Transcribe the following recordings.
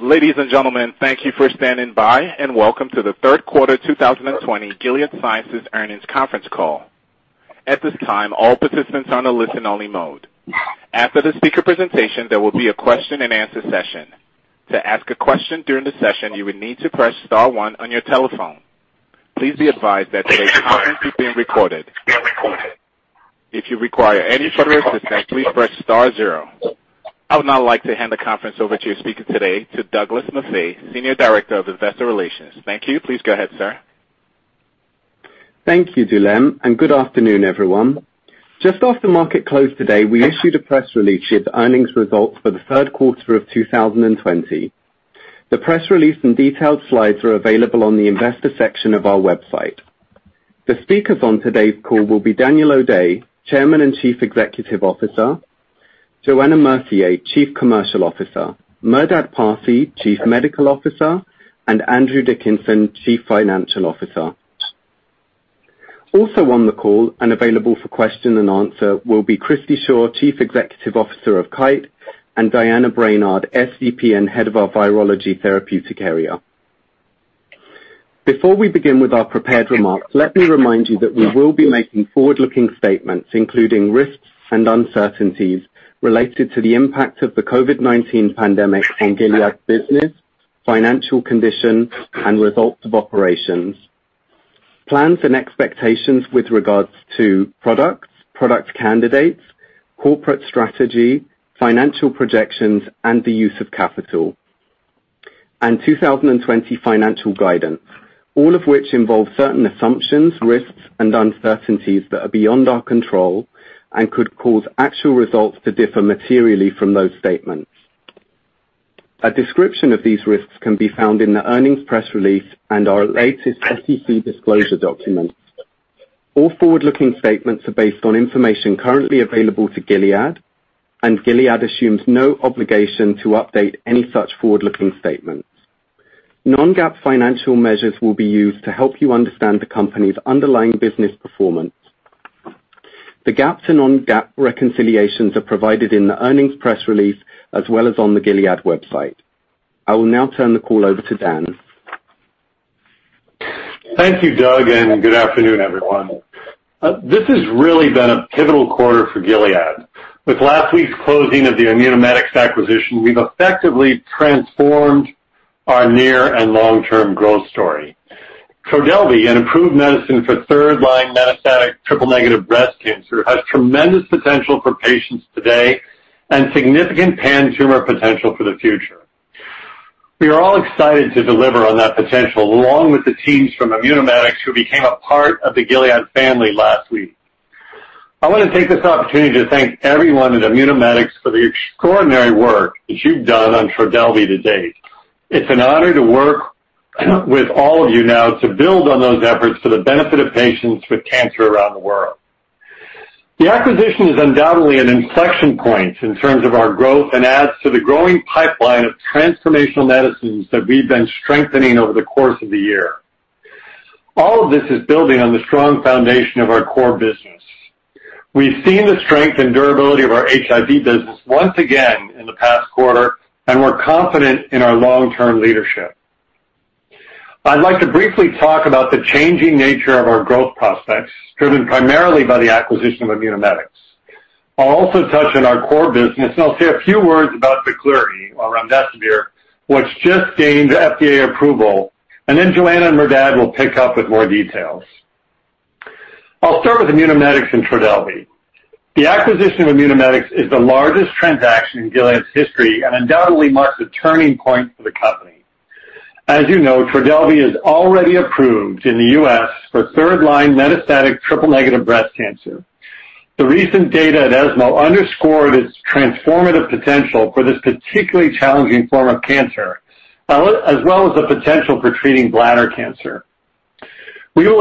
Ladies and gentlemen, thank you for standing by, and welcome to the Third Quarter 2020 Gilead Sciences Earnings Conference Call. At this time, all participants are on a listen-only mode. After the speaker presentation, there will be a question and answer session. Please be advised that today's conference is being recorded. I would now like to hand the conference over to your speaker today, to Douglas Maffei, Senior Director of Investor Relations. Thank you. Please go ahead, sir. Thank you, Dulem. Good afternoon, everyone. Just off the market close today, we issued a press release with earnings results for the third quarter of 2020. The press release and detailed slides are available on the investor section of our website. The speakers on today's call will be Daniel O'Day, Chairman and Chief Executive Officer, Johanna Mercier, Chief Commercial Officer, Merdad Parsey, Chief Medical Officer, and Andrew Dickinson, Chief Financial Officer. Also on the call and available for question and answer will be Christi Shaw, Chief Executive Officer of Kite, and Diana Brainard, SVP and Head of our Virology Therapeutic Area. Before we begin with our prepared remarks, let me remind you that we will be making forward-looking statements, including risks and uncertainties related to the impact of the COVID-19 pandemic on Gilead's business, financial condition, and results of operations. Plans and expectations with regards to products, product candidates, corporate strategy, financial projections, and the use of capital. 2020 financial guidance, all of which involve certain assumptions, risks, and uncertainties that are beyond our control and could cause actual results to differ materially from those statements. A description of these risks can be found in the earnings press release and our latest SEC disclosure documents. All forward-looking statements are based on information currently available to Gilead, and Gilead assumes no obligation to update any such forward-looking statements. Non-GAAP financial measures will be used to help you understand the company's underlying business performance. The GAAP and non-GAAP reconciliations are provided in the earnings press release as well as on the Gilead website. I will now turn the call over to Dan. Thank you, Doug. Good afternoon, everyone. This has really been a pivotal quarter for Gilead. With last week's closing of the Immunomedics acquisition, we've effectively transformed our near and long-term growth story. TRODELVY, an improved medicine for third-line metastatic triple-negative breast cancer, has tremendous potential for patients today and significant pan-tumor potential for the future. We are all excited to deliver on that potential, along with the teams from Immunomedics who became a part of the Gilead family last week. I want to take this opportunity to thank everyone at Immunomedics for the extraordinary work that you've done on TRODELVY to date. It's an honor to work with all of you now to build on those efforts for the benefit of patients with cancer around the world. The acquisition is undoubtedly an inflection point in terms of our growth and adds to the growing pipeline of transformational medicines that we've been strengthening over the course of the year. All of this is building on the strong foundation of our core business. We've seen the strength and durability of our HIV business once again in the past quarter, and we're confident in our long-term leadership. I'd like to briefly talk about the changing nature of our growth prospects, driven primarily by the acquisition of Immunomedics. I'll also touch on our core business, and I'll say a few words about TRODELVY, which just gained FDA approval, and then Johanna and Merdad will pick up with more details. I'll start with Immunomedics and TRODELVY. The acquisition of Immunomedics is the largest transaction in Gilead's history and undoubtedly marks a turning point for the company. As you know, TRODELVY is already approved in the U.S. for third-line metastatic triple-negative breast cancer. The recent data at ESMO underscored its transformative potential for this particularly challenging form of cancer, as well as the potential for treating bladder cancer. Overall,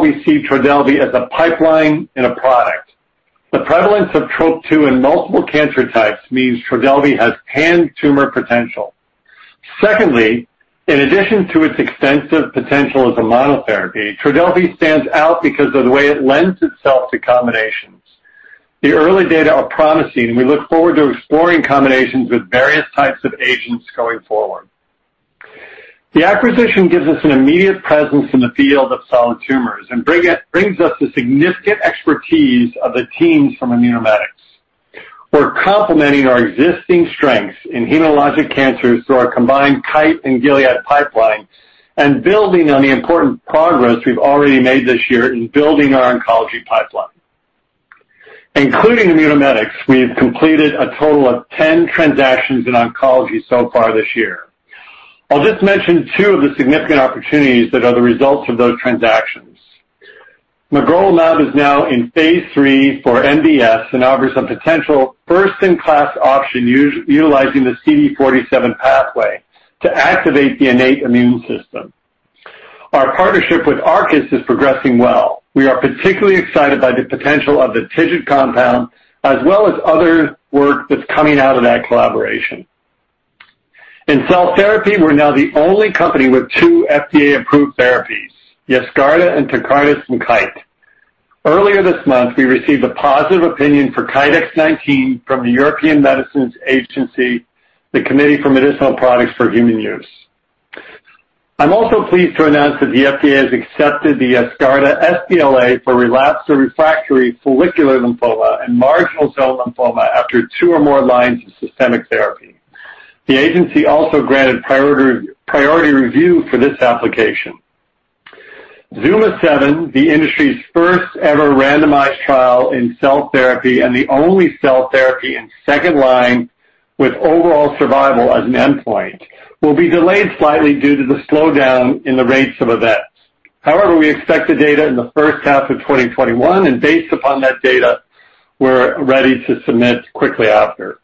we see TRODELVY as a pipeline and a product. The prevalence of Trop-2 in multiple cancer types means TRODELVY has pan-tumor potential. Secondly, in addition to its extensive potential as a monotherapy, TRODELVY stands out because of the way it lends itself to combinations. The early data are promising. We look forward to exploring combinations with various types of agents going forward. The acquisition gives us an immediate presence in the field of solid tumors and brings us the significant expertise of the teams from Immunomedics. We're complementing our existing strengths in hematologic cancers through our combined Kite and Gilead pipeline and building on the important progress we've already made this year in building our oncology pipeline. Including Immunomedics, we've completed a total of 10 transactions in oncology so far this year. I'll just mention two of the significant opportunities that are the results of those transactions. Magrolimab is now in phase III for MDS and offers a potential first-in-class option utilizing the CD47 pathway to activate the innate immune system. Our partnership with Arcus is progressing well. We are particularly excited by the potential of the TIGIT compound, as well as other work that's coming out of that collaboration. In cell therapy, we're now the only company with two FDA-approved therapies, Yescarta and Tecartus from Kite. Earlier this month, we received a positive opinion for KTE-X19 from the European Medicines Agency, the Committee for Medicinal Products for Human Use. I'm also pleased to announce that the FDA has accepted the Yescarta sBLA for relapsed or refractory follicular lymphoma and marginal zone lymphoma after two or more lines of systemic therapy. The agency also granted priority review for this application. ZUMA-7, the industry's first-ever randomized trial in cell therapy and the only cell therapy in second line with overall survival as an endpoint, will be delayed slightly due to the slowdown in the rates of events. We expect the data in the first half of 2021, and based upon that data, we're ready to submit quickly after.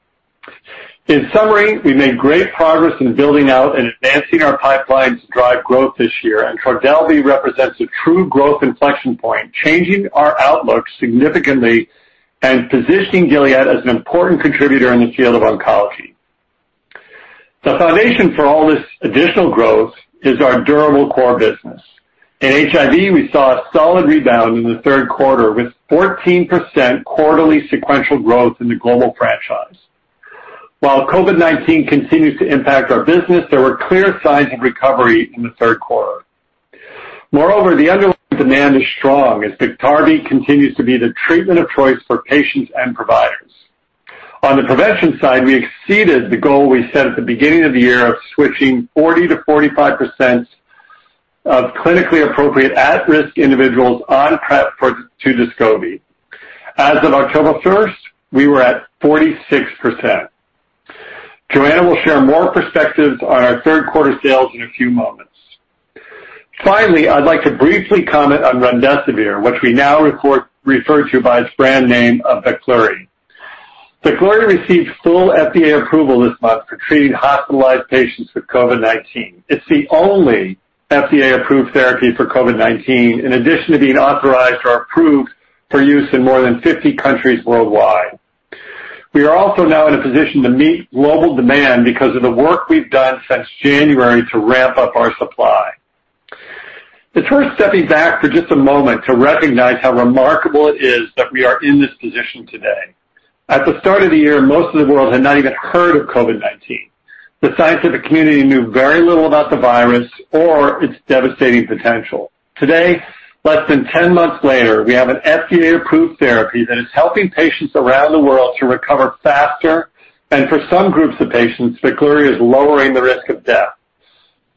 In summary, we made great progress in building out and advancing our pipelines to drive growth this year. TRODELVY represents a true growth inflection point, changing our outlook significantly and positioning Gilead Sciences as an important contributor in the field of oncology. The foundation for all this additional growth is our durable core business. In HIV, we saw a solid rebound in the third quarter, with 14% quarterly sequential growth in the global franchise. While COVID-19 continues to impact our business, there were clear signs of recovery in the third quarter. Moreover, the underlying demand is strong as BIKTARVY continues to be the treatment of choice for patients and providers. On the prevention side, we exceeded the goal we set at the beginning of the year of switching 40%-45% of clinically appropriate at-risk individuals on PrEP to Descovy. As of October 1st, we were at 46%. Johanna will share more perspectives on our third-quarter sales in a few moments. Finally, I'd like to briefly comment on Remdesivir, which we now refer to by its brand name of VEKLURY. VEKLURY received full FDA approval this month for treating hospitalized patients with COVID-19. It's the only FDA-approved therapy for COVID-19, in addition to being authorized or approved for use in more than 50 countries worldwide. We are also now in a position to meet global demand because of the work we've done since January to ramp up our supply. It's worth stepping back for just a moment to recognize how remarkable it is that we are in this position today. At the start of the year, most of the world had not even heard of COVID-19. The scientific community knew very little about the virus or its devastating potential. Today, less than 10 months later, we have an FDA-approved therapy that is helping patients around the world to recover faster, and for some groups of patients, VEKLURY is lowering the risk of death.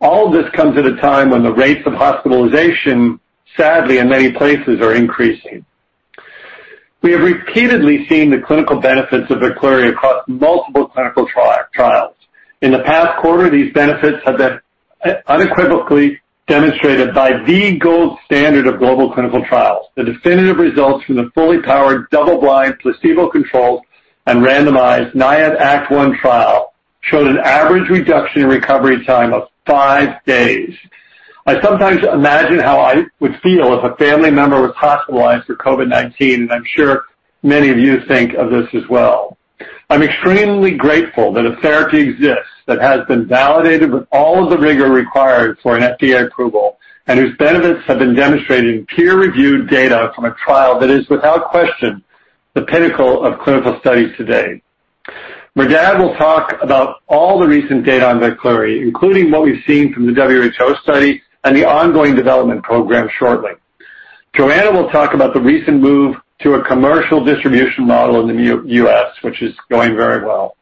All of this comes at a time when the rates of hospitalization, sadly in many places, are increasing. We have repeatedly seen the clinical benefits of VEKLURY across multiple clinical trials. In the past quarter, these benefits have been unequivocally demonstrated by the gold standard of global clinical trials. The definitive results from the fully powered, double-blind, placebo-controlled, and randomized NIAID ACTT-1 trial showed an average reduction in recovery time of five days. I sometimes imagine how I would feel if a family member was hospitalized for COVID-19, and I'm sure many of you think of this as well. I'm extremely grateful that a therapy exists that has been validated with all of the rigor required for an FDA approval and whose benefits have been demonstrated in peer-reviewed data from a trial that is, without question, the pinnacle of clinical studies to date. Merdad will talk about all the recent data on VEKLURY, including what we've seen from the WHO study and the ongoing development program shortly. Johanna will talk about the recent move to a commercial distribution model in the U.S., which is going very well.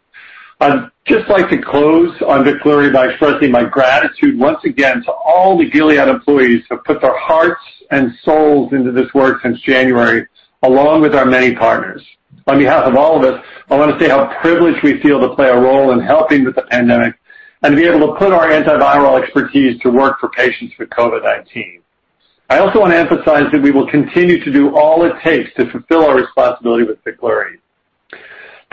I'd just like to close on VEKLURY by expressing my gratitude once again to all the Gilead employees who have put their hearts and souls into this work since January, along with our many partners. On behalf of all of us, I want to say how privileged we feel to play a role in helping with the pandemic and to be able to put our antiviral expertise to work for patients with COVID-19. I also want to emphasize that we will continue to do all it takes to fulfill our responsibility with VEKLURY.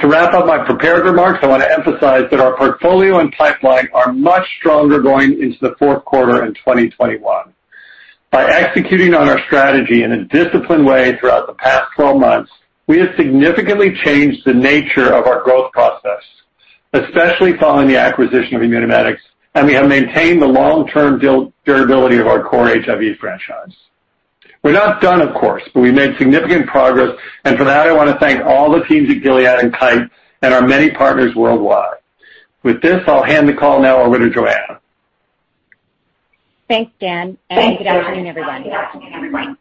To wrap up my prepared remarks, I want to emphasize that our portfolio and pipeline are much stronger going into the fourth quarter and 2021. By executing on our strategy in a disciplined way throughout the past 12 months, we have significantly changed the nature of our growth process, especially following the acquisition of Immunomedics, and we have maintained the long-term durability of our core HIV franchise. We're not done, of course, but we've made significant progress, and for that, I want to thank all the teams at Gilead and Kite and our many partners worldwide. With this, I'll hand the call now over to Johanna. Thanks, Dan, and good afternoon, everyone.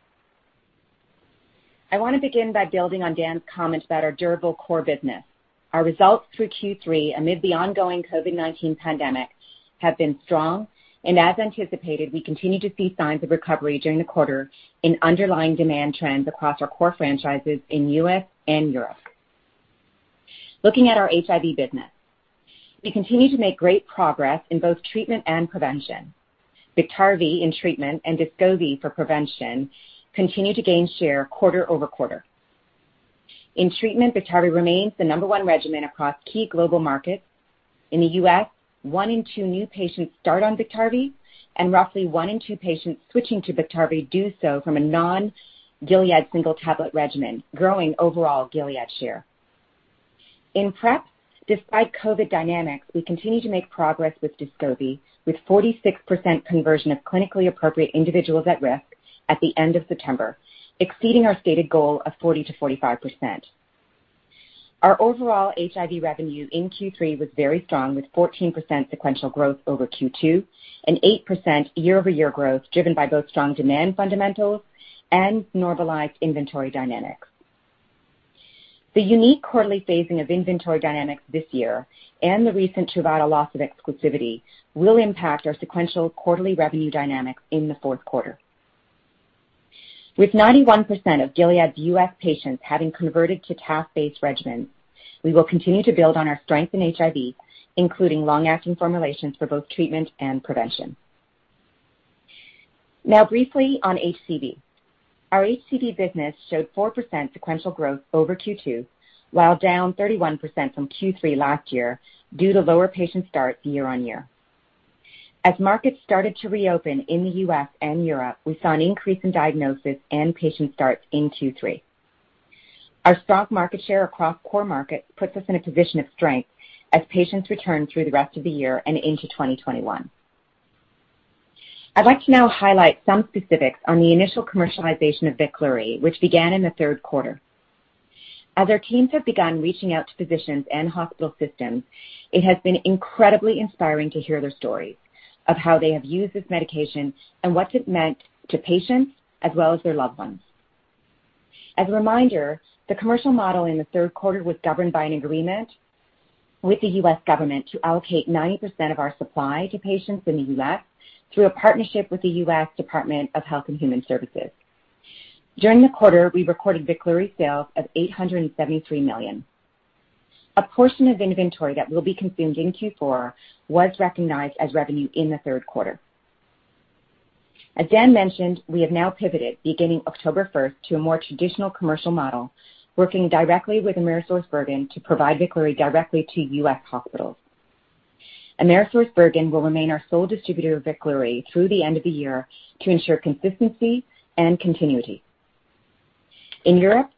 I want to begin by building on Dan's comments about our durable core business. Our results through Q3, amid the ongoing COVID-19 pandemic, have been strong. As anticipated, we continue to see signs of recovery during the quarter in underlying demand trends across our core franchises in U.S. and Europe. Looking at our HIV business, we continue to make great progress in both treatment and prevention. BIKTARVY in treatment and Descovy for prevention continue to gain share quarter-over-quarter. In treatment, BIKTARVY remains the number one regimen across key global markets. In the U.S., one in two new patients start on Biktarvy, and roughly one in two patients switching to Biktarvy do so from a non-Gilead single-tablet regimen, growing overall Gilead share. In PrEP, despite COVID dynamics, we continue to make progress with Descovy, with 46% conversion of clinically appropriate individuals at risk at the end of September, exceeding our stated goal of 40%-45%. Our overall HIV revenue in Q3 was very strong with 14% sequential growth over Q2 and 8% year-over-year growth, driven by both strong demand fundamentals and normalized inventory dynamics. The unique quarterly phasing of inventory dynamics this year and the recent Truvada loss of exclusivity will impact our sequential quarterly revenue dynamics in the fourth quarter. With 91% of Gilead's U.S. patients having converted to TAF-based regimens, we will continue to build on our strength in HIV, including long-acting formulations for both treatment and prevention. Briefly on HCV. Our HCV business showed 4% sequential growth over Q2, while down 31% from Q3 last year due to lower patient starts year-on-year. Markets started to reopen in the U.S. and Europe, we saw an increase in diagnosis and patient starts in Q3. Our strong market share across core markets puts us in a position of strength as patients return through the rest of the year and into 2021. I'd like to now highlight some specifics on the initial commercialization of VEKLURY, which began in the third quarter. Our teams have begun reaching out to physicians and hospital systems, it has been incredibly inspiring to hear their stories of how they have used this medication and what it meant to patients as well as their loved ones. As a reminder, the commercial model in the third quarter was governed by an agreement with the U.S. government to allocate 90% of our supply to patients in the U.S. through a partnership with the U.S. Department of Health and Human Services. During the quarter, we recorded VEKLURY sales of $873 million. A portion of inventory that will be consumed in Q4 was recognized as revenue in the third quarter. As Dan mentioned, we have now pivoted beginning October 1st to a more traditional commercial model, working directly with AmerisourceBergen to provide VEKLURY directly to U.S. hospitals. AmerisourceBergen will remain our sole distributor of VEKLURY through the end of the year to ensure consistency and continuity. In Europe,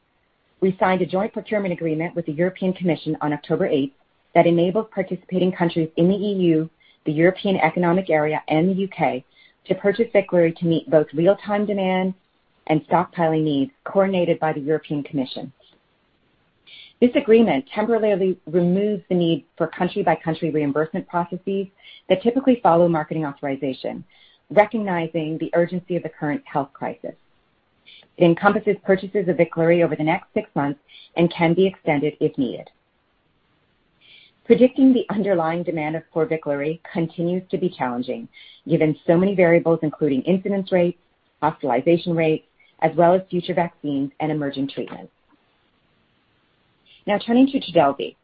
we signed a joint procurement agreement with the European Commission on October 8th that enables participating countries in the EU, the European Economic Area, and the U.K. to purchase VEKLURY to meet both real-time demand and stockpiling needs coordinated by the European Commission. This agreement temporarily removes the need for country-by-country reimbursement processes that typically follow marketing authorization, recognizing the urgency of the current health crisis. It encompasses purchases of VEKLURY over the next six months and can be extended if needed. Predicting the underlying demand for VEKLURY continues to be challenging given so many variables, including incidence rates, hospitalization rates, as well as future vaccines and emerging treatments. Turning to TRODELVY.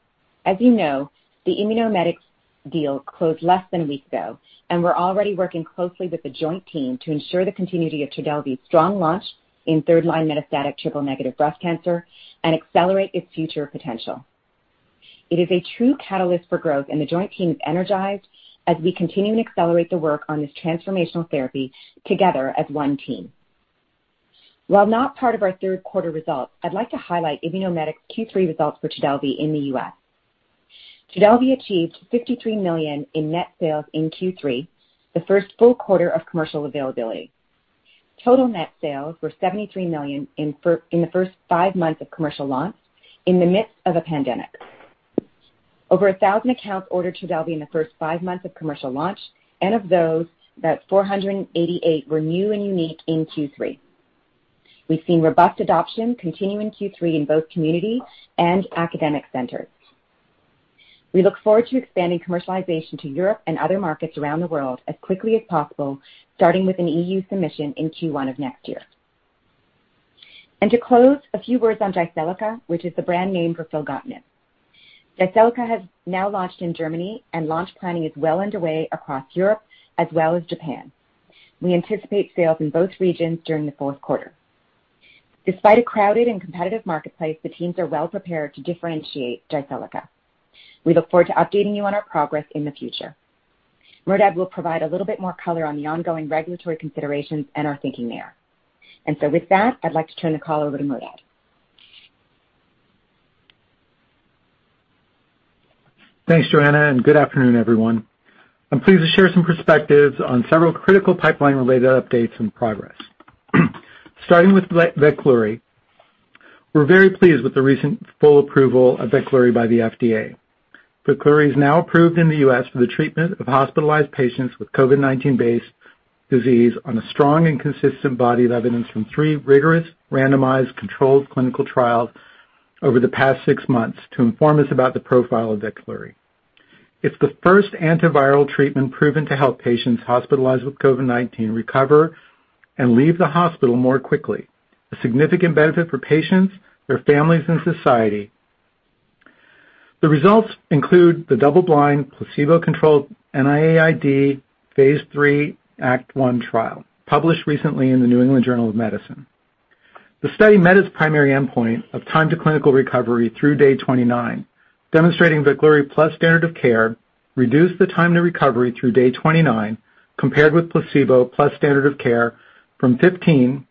As you know, the Immunomedics deal closed less than one week ago, and we're already working closely with the joint team to ensure the continuity of TRODELVY's strong launch in third-line metastatic triple-negative breast cancer and accelerate its future potential. It is a true catalyst for growth, and the joint team is energized as we continue to accelerate the work on this transformational therapy together as one team. While not part of our third quarter results, I'd like to highlight Immunomedics' Q3 results for TRODELVY in the U.S. TRODELVY achieved $53 million in net sales in Q3, the first full quarter of commercial availability. Total net sales were $73 million in the first five months of commercial launch in the midst of a pandemic. Over 1,000 accounts ordered TRODELVY in the first five months of commercial launch, and of those, about 488 were new and unique in Q3. We've seen robust adoption continue in Q3 in both community and academic centers. We look forward to expanding commercialization to Europe and other markets around the world as quickly as possible, starting with an EU submission in Q1 of next year. To close, a few words on Jyseleca, which is the brand name for Filgotinib. Jyseleca has now launched in Germany and launch planning is well underway across Europe as well as Japan. We anticipate sales in both regions during the fourth quarter. Despite a crowded and competitive marketplace, the teams are well prepared to differentiate Jyseleca. We look forward to updating you on our progress in the future. Merdad will provide a little bit more color on the ongoing regulatory considerations and our thinking there. With that, I'd like to turn the call over to Merdad. Thanks, Johanna, and good afternoon, everyone. I'm pleased to share some perspectives on several critical pipeline-related updates and progress. Starting with VEKLURY. We're very pleased with the recent full approval of VEKLURY by the FDA. VEKLURY is now approved in the U.S. for the treatment of hospitalized patients with COVID-19 base disease on a strong and consistent body of evidence from three rigorous randomized controlled clinical trials over the past six months to inform us about the profile of VEKLURY. It's the first antiviral treatment proven to help patients hospitalized with COVID-19 recover and leave the hospital more quickly, a significant benefit for patients, their families, and society. The results include the double-blind, placebo-controlled NIAID phase III ACTT-1 trial, published recently in The New England Journal of Medicine. The study met its primary endpoint of time to clinical recovery through day 29, demonstrating VEKLURY plus standard of care reduced the time to recovery through day 29 compared with placebo plus standard of care from 15-10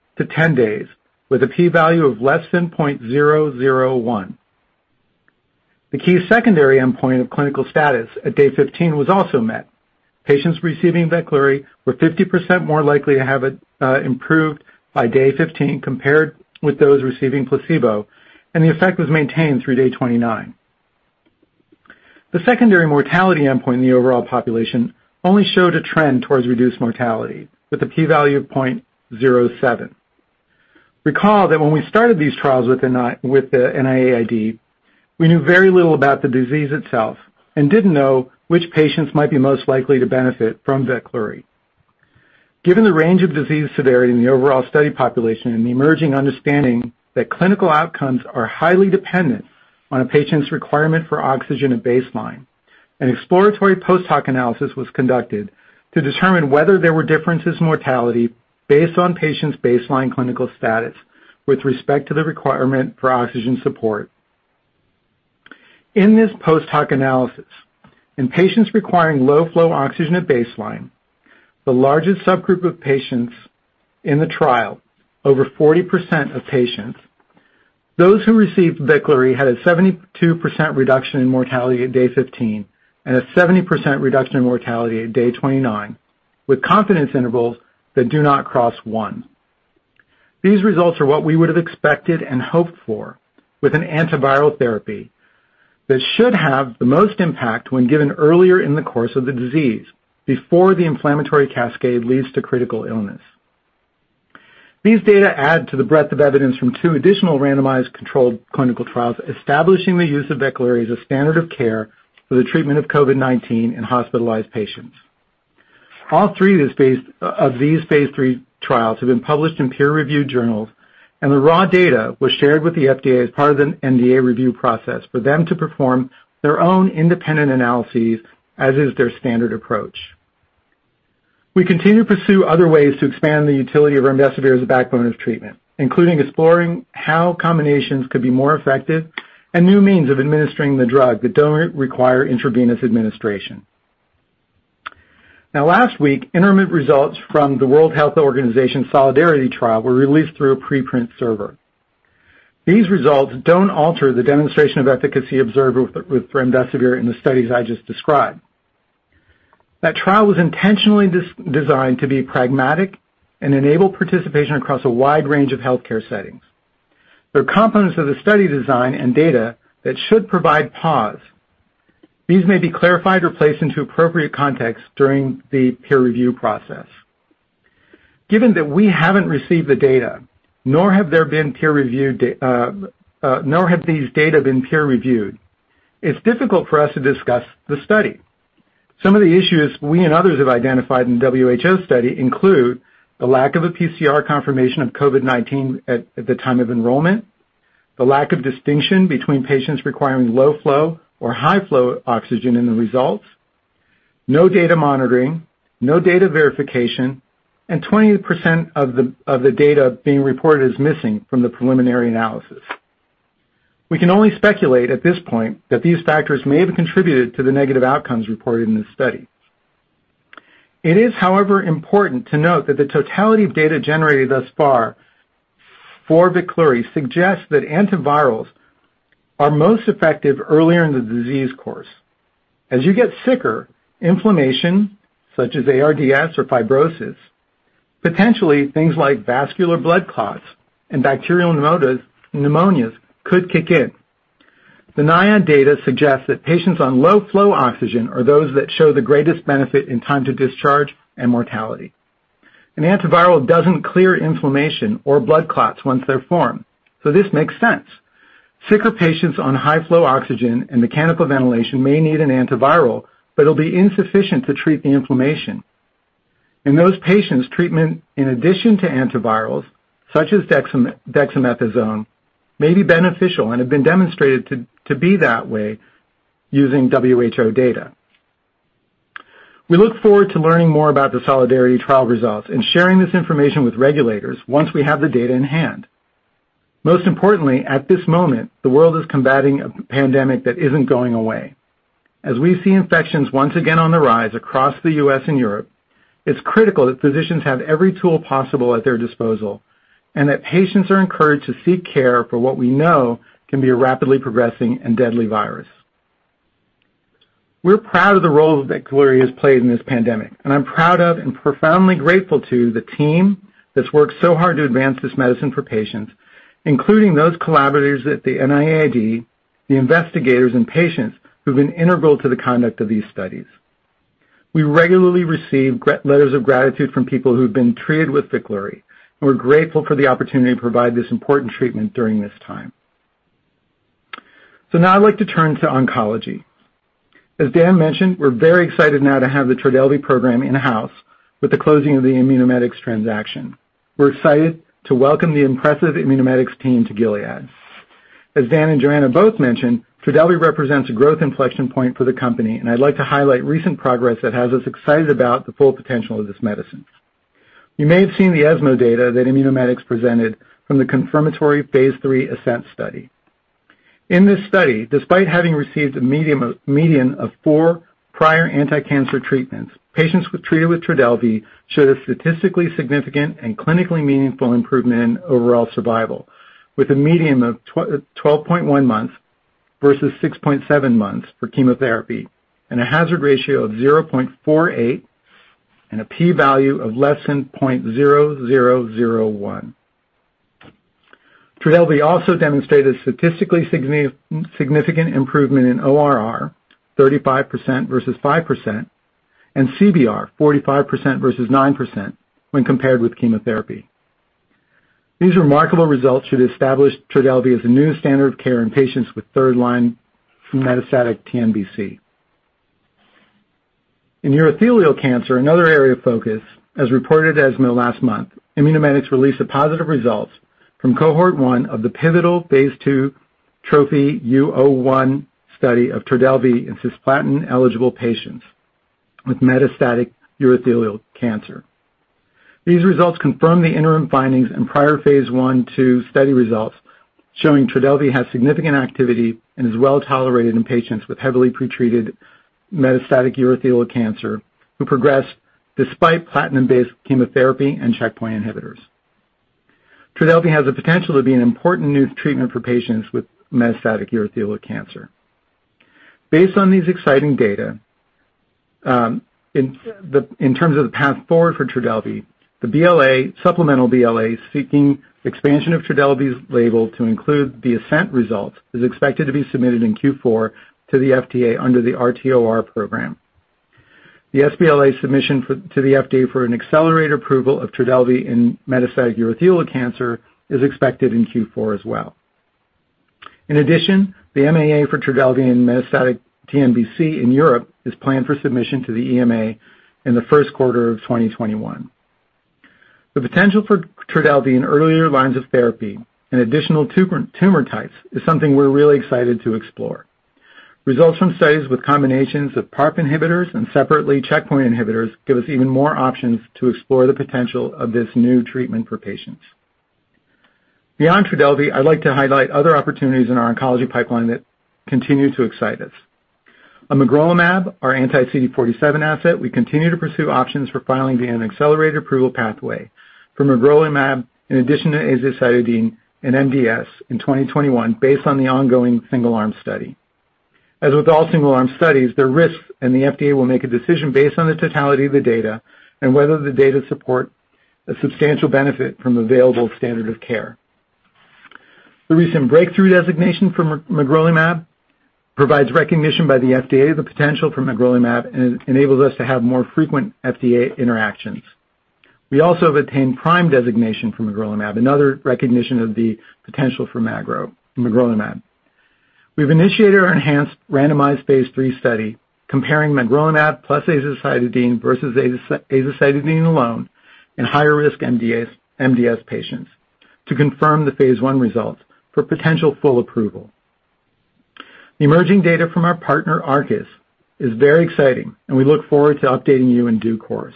days with a p-value of less than 0.001. The key secondary endpoint of clinical status at day 15 was also met. Patients receiving VEKLURY were 50% more likely to have it improved by day 15 compared with those receiving placebo, and the effect was maintained through day 29. The secondary mortality endpoint in the overall population only showed a trend towards reduced mortality with a p-value of 0.07. Recall that when we started these trials with the NIAID, we knew very little about the disease itself and didn't know which patients might be most likely to benefit from VEKLURY. Given the range of disease severity in the overall study population and the emerging understanding that clinical outcomes are highly dependent on a patient's requirement for oxygen at baseline, an exploratory post-hoc analysis was conducted to determine whether there were differences in mortality based on patients' baseline clinical status with respect to the requirement for oxygen support. In this post-hoc analysis, in patients requiring low-flow oxygen at baseline, the largest subgroup of patients in the trial, over 40% of patients, those who received VEKLURY had a 72% reduction in mortality at day 15 and a 70% reduction in mortality at day 29, with confidence intervals that do not cross one. These results are what we would have expected and hoped for with an antiviral therapy that should have the most impact when given earlier in the course of the disease before the inflammatory cascade leads to critical illness. These data add to the breadth of evidence from two additional randomized controlled clinical trials establishing the use of VEKLURY as a standard of care for the treatment of COVID-19 in hospitalized patients. All three of these phase III trials have been published in peer-reviewed journals. The raw data was shared with the FDA as part of an NDA review process for them to perform their own independent analyses as is their standard approach. We continue to pursue other ways to expand the utility of Remdesivir as a backbone of treatment, including exploring how combinations could be more effective and new means of administering the drug that don't require intravenous administration. Last week, interim results from the World Health Organization Solidarity Trial were released through a preprint server. These results don't alter the demonstration of efficacy observed with Remdesivir in the studies I just described. That trial was intentionally designed to be pragmatic and enable participation across a wide range of healthcare settings. There are components of the study design and data that should provide pause. These may be clarified or placed into appropriate context during the peer review process. Given that we haven't received the data, nor have these data been peer reviewed, it's difficult for us to discuss the study. Some of the issues we and others have identified in the WHO study include the lack of a PCR confirmation of COVID-19 at the time of enrollment, the lack of distinction between patients requiring low-flow or high-flow oxygen in the results, no data monitoring, no data verification, and 20% of the data being reported as missing from the preliminary analysis. We can only speculate at this point that these factors may have contributed to the negative outcomes reported in this study. It is, however, important to note that the totality of data generated thus far for VEKLURY suggests that antivirals are most effective earlier in the disease course. As you get sicker, inflammation, such as ARDS or fibrosis, potentially things like vascular blood clots and bacterial pneumonias could kick in. The NIAID data suggests that patients on low-flow oxygen are those that show the greatest benefit in time to discharge and mortality. An antiviral doesn't clear inflammation or blood clots once they're formed, so this makes sense. Sicker patients on high-flow oxygen and mechanical ventilation may need an antiviral, but it'll be insufficient to treat the inflammation. In those patients, treatment in addition to antivirals, such as dexamethasone, may be beneficial and have been demonstrated to be that way using WHO data. We look forward to learning more about the Solidarity Trial results and sharing this information with regulators once we have the data in hand. Most importantly, at this moment, the world is combating a pandemic that isn't going away. As we see infections once again on the rise across the U.S. and Europe, it's critical that physicians have every tool possible at their disposal and that patients are encouraged to seek care for what we know can be a rapidly progressing and deadly virus. We're proud of the role VEKLURY has played in this pandemic, and I'm proud of and profoundly grateful to the team that's worked so hard to advance this medicine for patients, including those collaborators at the NIAID, the investigators and patients who've been integral to the conduct of these studies. We regularly receive letters of gratitude from people who have been treated with VEKLURY, and we're grateful for the opportunity to provide this important treatment during this time. Now I'd like to turn to oncology. As Dan mentioned, we're very excited now to have the TRODELVY program in-house with the closing of the Immunomedics transaction. We're excited to welcome the impressive Immunomedics team to Gilead. As Dan and Johanna both mentioned, TRODELVY represents a growth inflection point for the company, and I'd like to highlight recent progress that has us excited about the full potential of this medicine. You may have seen the ESMO data that Immunomedics presented from the confirmatory phase III ASCENT study. In this study, despite having received a median of four prior anti-cancer treatments, patients treated with TRODELVY showed a statistically significant and clinically meaningful improvement in overall survival, with a median of 12.1 months versus 6.7 months for chemotherapy and a hazard ratio of 0.48 and a P value of less than 0.0001. TRODELVY also demonstrated statistically significant improvement in ORR, 35% versus 5%, and CBR, 45% versus 9%, when compared with chemotherapy. These remarkable results should establish TRODELVY as the new standard of care in patients with third-line metastatic TNBC. In urothelial cancer, another area of focus, as reported at ESMO last month, Immunomedics released the positive results from cohort one of the pivotal phase II TROPHY-U-01 study of TRODELVY in cisplatin-eligible patients with metastatic urothelial cancer. These results confirm the interim findings in prior phase I/II study results, showing TRODELVY has significant activity and is well-tolerated in patients with heavily pretreated metastatic urothelial cancer who progressed despite platinum-based chemotherapy and checkpoint inhibitors. TRODELVY has the potential to be an important new treatment for patients with metastatic urothelial cancer. Based on these exciting data, in terms of the path forward for TRODELVY, the supplemental BLA seeking expansion of TRODELVY's label to include the ASCENT results is expected to be submitted in Q4 to the FDA under the RTOR program. The sBLA submission to the FDA for an accelerated approval of TRODELVY in metastatic urothelial cancer is expected in Q4 as well. In addition, the MAA for TRODELVY in metastatic TNBC in Europe is planned for submission to the EMA in the first quarter of 2021. The potential for TRODELVY in earlier lines of therapy and additional tumor types is something we're really excited to explore. Results from studies with combinations of PARP inhibitors and separately checkpoint inhibitors give us even more options to explore the potential of this new treatment for patients. Beyond TRODELVY, I'd like to highlight other opportunities in our oncology pipeline that continue to excite us. On Magrolimab, our anti-CD47 asset, we continue to pursue options for filing via an accelerated approval pathway for Magrolimab, in addition to Azacitidine in MDS in 2021, based on the ongoing single-arm study. As with all single-arm studies, there are risks, and the FDA will make a decision based on the totality of the data and whether the data support a substantial benefit from available standard of care. The recent Breakthrough Therapy designation for Magrolimab provides recognition by the FDA of the potential for Magrolimab and enables us to have more frequent FDA interactions. We also have obtained PRIME designation for Magrolimab, another recognition of the potential for Magrolimab. We've initiated our enhanced randomized phase III study comparing Magrolimab plus Azacitidine versus Azacitidine alone in higher-risk MDS patients to confirm the phase I results for potential full approval. The emerging data from our partner, Arcus, is very exciting, and we look forward to updating you in due course.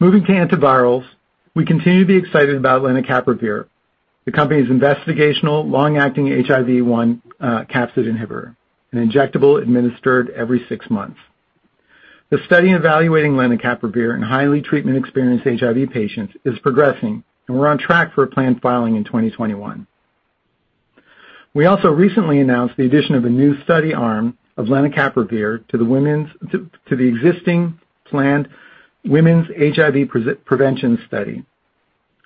Moving to antivirals, we continue to be excited about Lenacapavir, the company's investigational long-acting HIV-1 capsid inhibitor, an injectable administered every six months. The study evaluating Lenacapavir in highly treatment-experienced HIV patients is progressing, and we're on track for a planned filing in 2021. We also recently announced the addition of a new study arm of Lenacapavir to the existing planned women's HIV prevention study,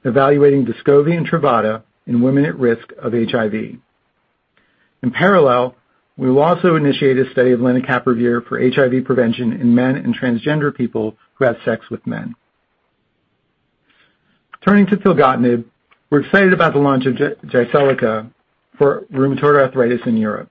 evaluating Descovy and Truvada in women at risk of HIV. In parallel, we will also initiate a study of Lenacapavir for HIV prevention in men and transgender people who have sex with men. Turning to Filgotinib, we're excited about the launch of Jyseleca for rheumatoid arthritis in Europe.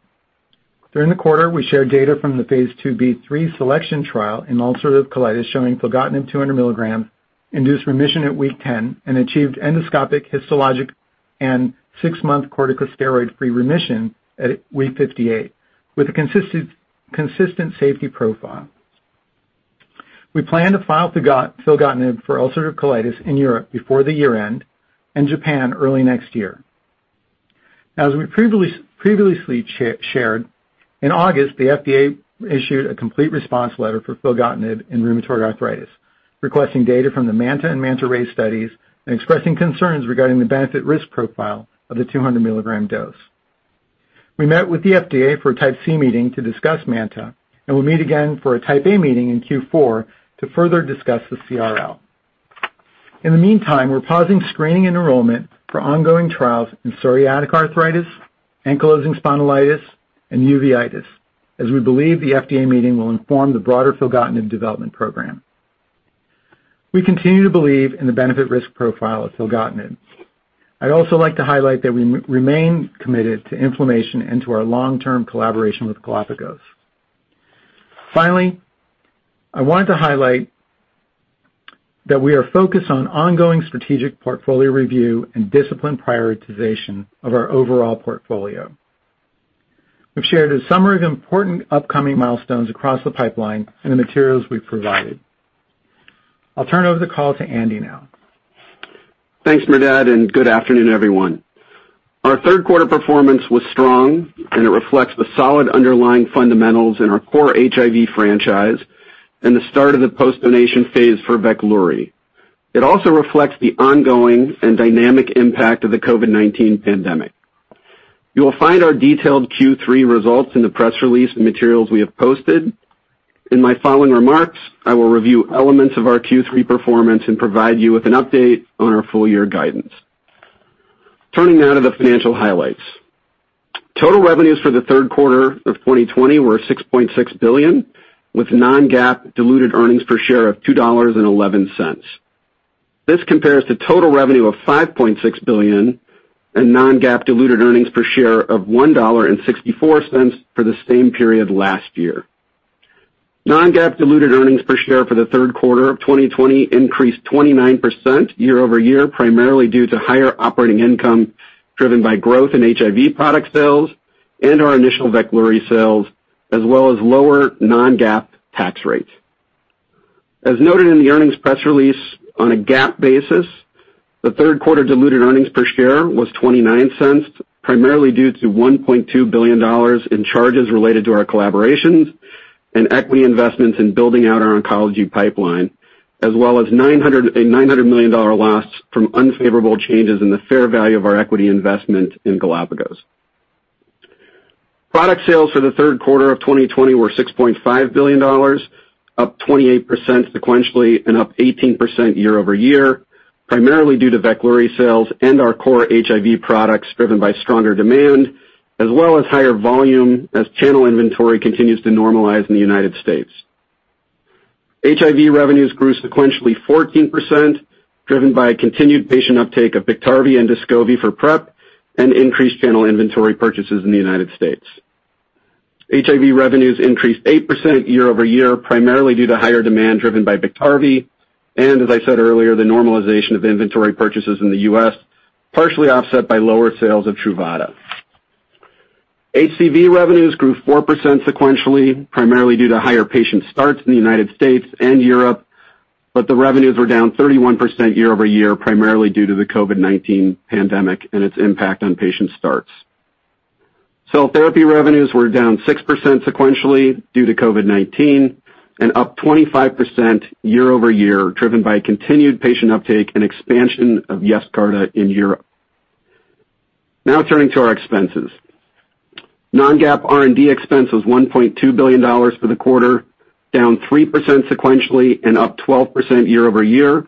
During the quarter, we shared data from the phase IIb/III SELECTION trial in ulcerative colitis showing Filgotinib 200 milligrams induced remission at week 10 and achieved endoscopic, histologic, and six-month corticosteroid-free remission at week 58 with a consistent safety profile. We plan to file Filgotinib for ulcerative colitis in Europe before the year-end, and Japan early next year. As we previously shared, in August, the FDA issued a complete response letter for Filgotinib in rheumatoid arthritis, requesting data from the MANTA and MANTA-RAy studies and expressing concerns regarding the benefit/risk profile of the 200 milligram dose. We met with the FDA for a Type C meeting to discuss MANTA, we'll meet again for a Type A meeting in Q4 to further discuss the CRL. In the meantime, we're pausing screening and enrollment for ongoing trials in psoriatic arthritis, ankylosing spondylitis, and uveitis, as we believe the FDA meeting will inform the broader Filgotinib development program. We continue to believe in the benefit/risk profile of Filgotinib. I'd also like to highlight that we remain committed to inflammation and to our long-term collaboration with Galapagos. I wanted to highlight that we are focused on ongoing strategic portfolio review and disciplined prioritization of our overall portfolio. We've shared a summary of important upcoming milestones across the pipeline in the materials we've provided. I'll turn over the call to Andy now. Thanks, Merdad. Good afternoon, everyone. Our third quarter performance was strong and it reflects the solid underlying fundamentals in our core HIV franchise and the start of the post-donation phase for VEKLURY. It also reflects the ongoing and dynamic impact of the COVID-19 pandemic. You will find our detailed Q3 results in the press release and materials we have posted. In my following remarks, I will review elements of our Q3 performance and provide you with an update on our full year guidance. Turning now to the financial highlights. Total revenues for the third quarter of 2020 were $6.6 billion, with non-GAAP diluted earnings per share of $2.11. This compares to total revenue of $5.6 billion and non-GAAP diluted earnings per share of $1.64 for the same period last year. Non-GAAP diluted earnings per share for the third quarter of 2020 increased 29% year-over-year, primarily due to higher operating income, driven by growth in HIV product sales and our initial VEKLURY sales, as well as lower non-GAAP tax rates. As noted in the earnings press release, on a GAAP basis, the third quarter diluted earnings per share was $0.29, primarily due to $1.2 billion in charges related to our collaborations and equity investments in building out our oncology pipeline, as well as a $900 million loss from unfavorable changes in the fair value of our equity investment in Galapagos. Product sales for the third quarter of 2020 were $6.5 billion, up 28% sequentially and up 18% year-over-year, primarily due to VEKLURY sales and our core HIV products, driven by stronger demand as well as higher volume as channel inventory continues to normalize in the U.S. HIV revenues grew sequentially 14%, driven by a continued patient uptake of BIKTARVY and Descovy for PrEP, and increased channel inventory purchases in the U.S. HIV revenues increased 8% year-over-year, primarily due to higher demand driven by BIKTARVY and, as I said earlier, the normalization of inventory purchases in the U.S., partially offset by lower sales of Truvada. HCV revenues grew 4% sequentially, primarily due to higher patient starts in the U.S. and Europe. The revenues were down 31% year-over-year, primarily due to the COVID-19 pandemic and its impact on patient starts. Cell therapy revenues were down 6% sequentially due to COVID-19, and up 25% year-over-year, driven by continued patient uptake and expansion of Yescarta in Europe. Now turning to our expenses. Non-GAAP R&D expense was $1.2 billion for the quarter, down 3% sequentially and up 12% year-over-year.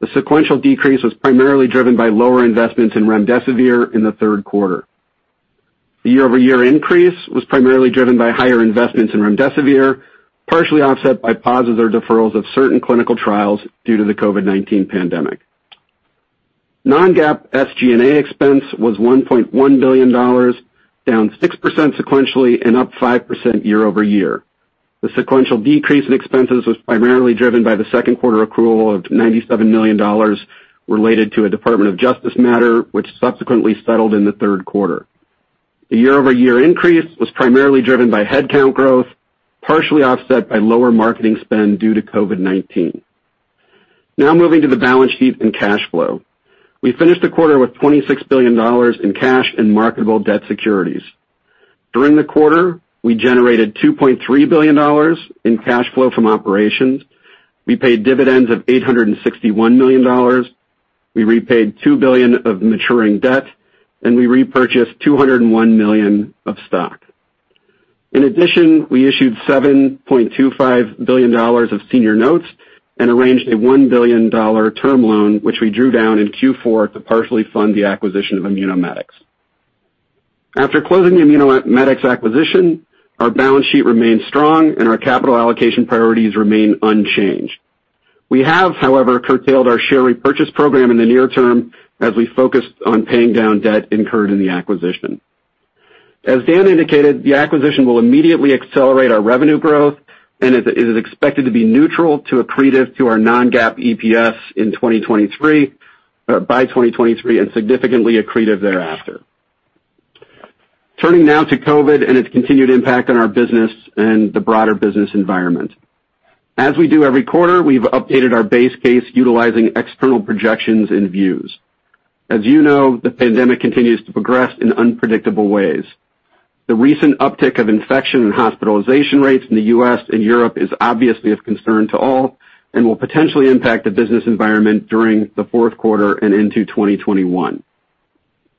The sequential decrease was primarily driven by lower investments in Remdesivir in the third quarter. The year-over-year increase was primarily driven by higher investments in Remdesivir, partially offset by pauses or deferrals of certain clinical trials due to the COVID-19 pandemic. Non-GAAP SG&A expense was $1.1 billion, down 6% sequentially and up 5% year-over-year. The sequential decrease in expenses was primarily driven by the second quarter accrual of $97 million related to a Department of Justice matter, which subsequently settled in the third quarter. The year-over-year increase was primarily driven by headcount growth, partially offset by lower marketing spend due to COVID-19. Moving to the balance sheet and cash flow. We finished the quarter with $26 billion in cash and marketable debt securities. During the quarter, we generated $2.3 billion in cash flow from operations, we paid dividends of $861 million, we repaid $2 billion of maturing debt, and we repurchased $201 million of stock. We issued $7.25 billion of senior notes and arranged a $1 billion term loan, which we drew down in Q4 to partially fund the acquisition of Immunomedics. After closing the Immunomedics acquisition, our balance sheet remains strong and our capital allocation priorities remain unchanged. We have, however, curtailed our share repurchase program in the near term as we focus on paying down debt incurred in the acquisition. As Dan indicated, the acquisition will immediately accelerate our revenue growth. It is expected to be neutral to accretive to our non-GAAP EPS by 2023, and significantly accretive thereafter. Turning now to COVID and its continued impact on our business and the broader business environment. As we do every quarter, we've updated our base case utilizing external projections and views. As you know, the pandemic continues to progress in unpredictable ways. The recent uptick of infection and hospitalization rates in the U.S. and Europe is obviously of concern to all and will potentially impact the business environment during the fourth quarter and into 2021.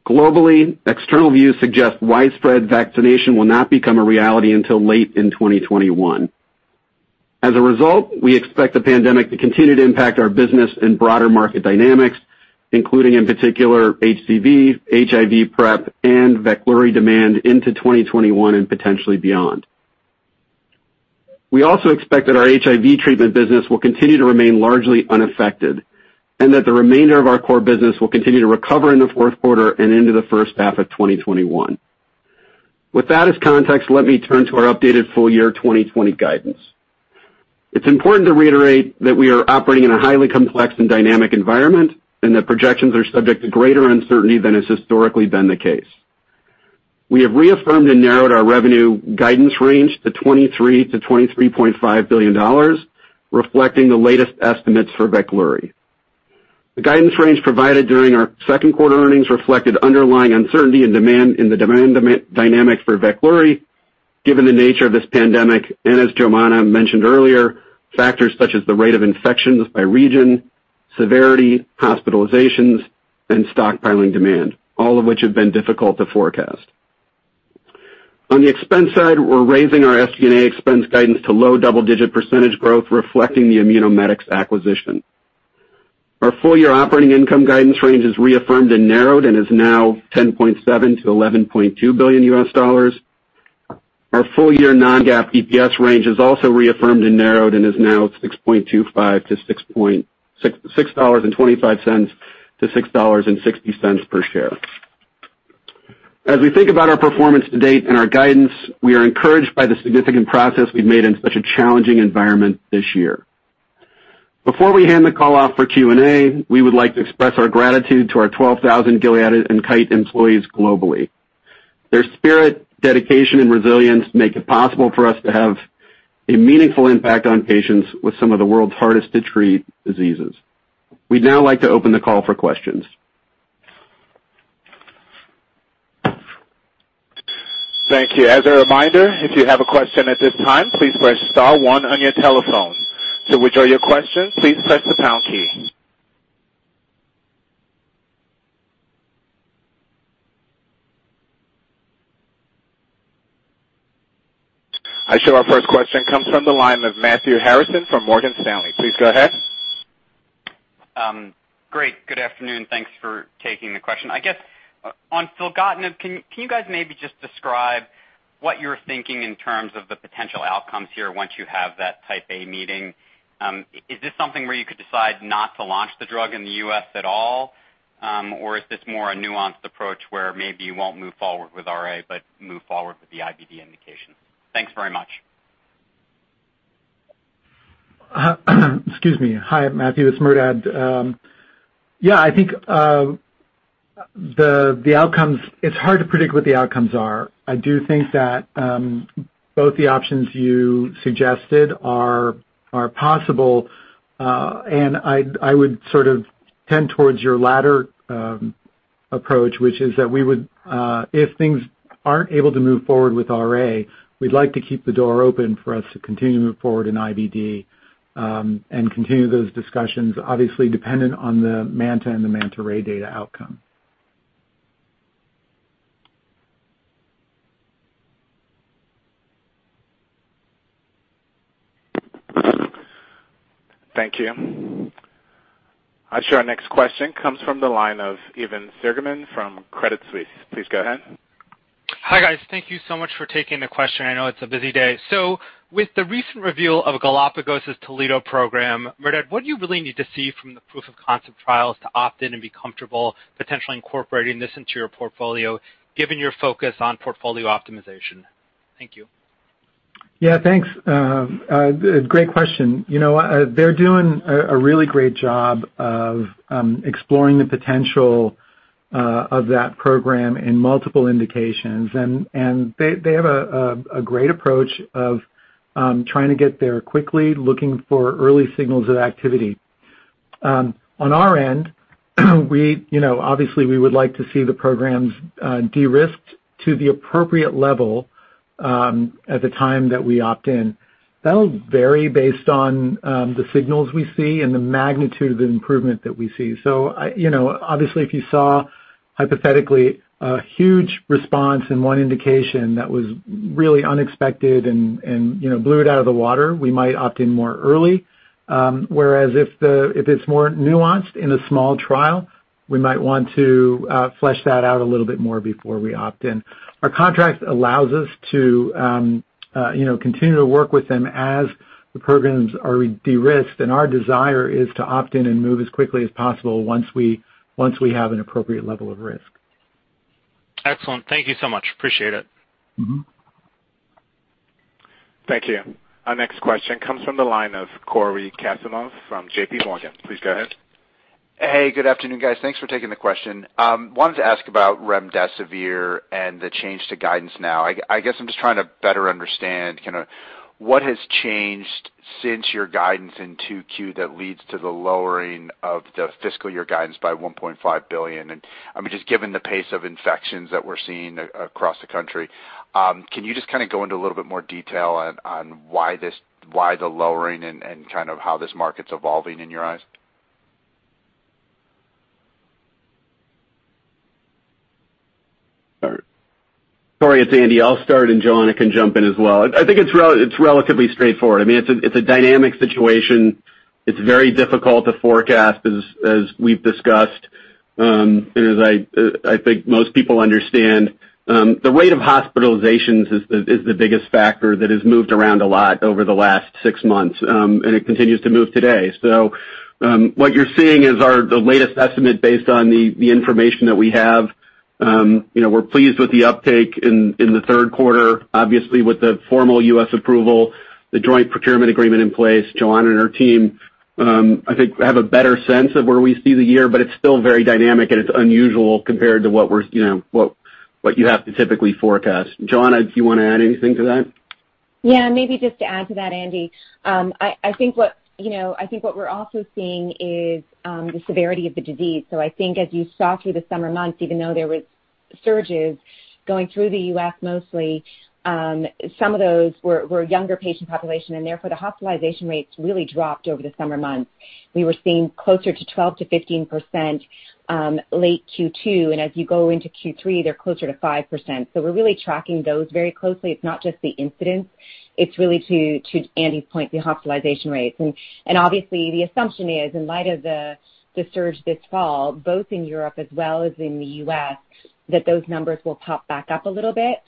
Globally, external views suggest widespread vaccination will not become a reality until late in 2021. We expect the pandemic to continue to impact our business and broader market dynamics, including in particular HCV, HIV PrEP, and VEKLURY demand into 2021 and potentially beyond. We also expect that our HIV treatment business will continue to remain largely unaffected, and that the remainder of our core business will continue to recover in the fourth quarter and into the first half of 2021. With that as context, let me turn to our updated full year 2020 guidance. It's important to reiterate that we are operating in a highly complex and dynamic environment, and that projections are subject to greater uncertainty than has historically been the case. We have reaffirmed and narrowed our revenue guidance range to $23 billion-$23.5 billion, reflecting the latest estimates for VEKLURY. The guidance range provided during our second quarter earnings reflected underlying uncertainty in the demand dynamic for VEKLURY, given the nature of this pandemic, and as Johanna mentioned earlier, factors such as the rate of infections by region, severity, hospitalizations, and stockpiling demand, all of which have been difficult to forecast. On the expense side, we're raising our SG&A expense guidance to low double-digit percentage growth, reflecting the Immunomedics acquisition. Our full-year operating income guidance range is reaffirmed and narrowed and is now $10.7 billion-$11.2 billion. Our full-year non-GAAP EPS range is also reaffirmed and narrowed and is now $6.25-$6.60 per share. As we think about our performance to date and our guidance, we are encouraged by the significant progress we've made in such a challenging environment this year. Before we hand the call off for Q&A, we would like to express our gratitude to our 12,000 Gilead and Kite employees globally. Their spirit, dedication, and resilience make it possible for us to have a meaningful impact on patients with some of the world's hardest-to-treat diseases. We'd now like to open the call for questions. Thank you. As a reminder, if you have a question at this time, please press star one on your telephone. To withdraw your question, please press the pound key. I show our first question comes from the line of Matthew Harrison from Morgan Stanley. Please go ahead. Great. Good afternoon. Thanks for taking the question. I guess on Filgotinib, can you guys maybe just describe what you're thinking in terms of the potential outcomes here once you have that Type A meeting? Is this something where you could decide not to launch the drug in the U.S. at all? Or is this more a nuanced approach where maybe you won't move forward with RA, but move forward with the IBD indication? Thanks very much. Excuse me. Hi Matthew, it's Merdad. Yeah, it's hard to predict what the outcomes are. I do think that both the options you suggested are possible. I would sort of tend towards your latter approach, which is that if things aren't able to move forward with RA, we'd like to keep the door open for us to continue to move forward in IBD, and continue those discussions, obviously dependent on the MANTA and the MANTA-RAy data outcome. Thank you. I show our next question comes from the line of Evan Seigerman from Credit Suisse. Please go ahead. Hi guys. Thank you so much for taking the question. I know it's a busy day. With the recent reveal of Galapagos' Toledo program, Merdad, what do you really need to see from the proof of concept trials to opt in and be comfortable potentially incorporating this into your portfolio, given your focus on portfolio optimization? Thank you. Yeah, thanks. Great question. They're doing a really great job of exploring the potential of that program in multiple indications. They have a great approach of trying to get there quickly, looking for early signals of activity. On our end, obviously, we would like to see the programs de-risked to the appropriate level at the time that we opt in. That'll vary based on the signals we see and the magnitude of improvement that we see. Obviously, if you saw, hypothetically, a huge response in one indication that was really unexpected and blew it out of the water, we might opt in more early. Whereas if it's more nuanced in a small trial, we might want to flesh that out a little bit more before we opt in. Our contract allows us to continue to work with them as the programs are de-risked, and our desire is to opt in and move as quickly as possible once we have an appropriate level of risk. Excellent. Thank you so much. Appreciate it. Thank you. Our next question comes from the line of Cory Kasimov from JPMorgan. Please go ahead. Hey, good afternoon, guys. Thanks for taking the question. Wanted to ask about Remdesivir and the change to guidance now. I guess I'm just trying to better understand what has changed since your guidance in 2Q that leads to the lowering of the fiscal year guidance by $1.5 billion. Just given the pace of infections that we're seeing across the country, can you just go into a little bit more detail on why the lowering and how this market's evolving in your eyes? Sorry. Cory, it's Andy. I'll start, and Johanna can jump in as well. I think it's relatively straightforward. It's a dynamic situation. It's very difficult to forecast, as we've discussed. As I think most people understand. The rate of hospitalizations is the biggest factor that has moved around a lot over the last six months, and it continues to move today. What you're seeing is the latest estimate based on the information that we have. We're pleased with the uptake in the third quarter, obviously, with the formal U.S. approval, the joint procurement agreement in place. Johanna and her team, I think, have a better sense of where we see the year, but it's still very dynamic and it's unusual compared to what you have to typically forecast. Johanna, do you want to add anything to that? Maybe just to add to that, Andy. I think what we're also seeing is the severity of the disease. I think as you saw through the summer months, even though there was surges going through the U.S. mostly, some of those were younger patient population and therefore the hospitalization rates really dropped over the summer months. We were seeing closer to 12%-15% late Q2, and as you go into Q3, they're closer to 5%. We're really tracking those very closely. It's not just the incidence, it's really to Andy's point, the hospitalization rates. Obviously the assumption is in light of the surge this fall, both in Europe as well as in the U.S., that those numbers will pop back up a little bit.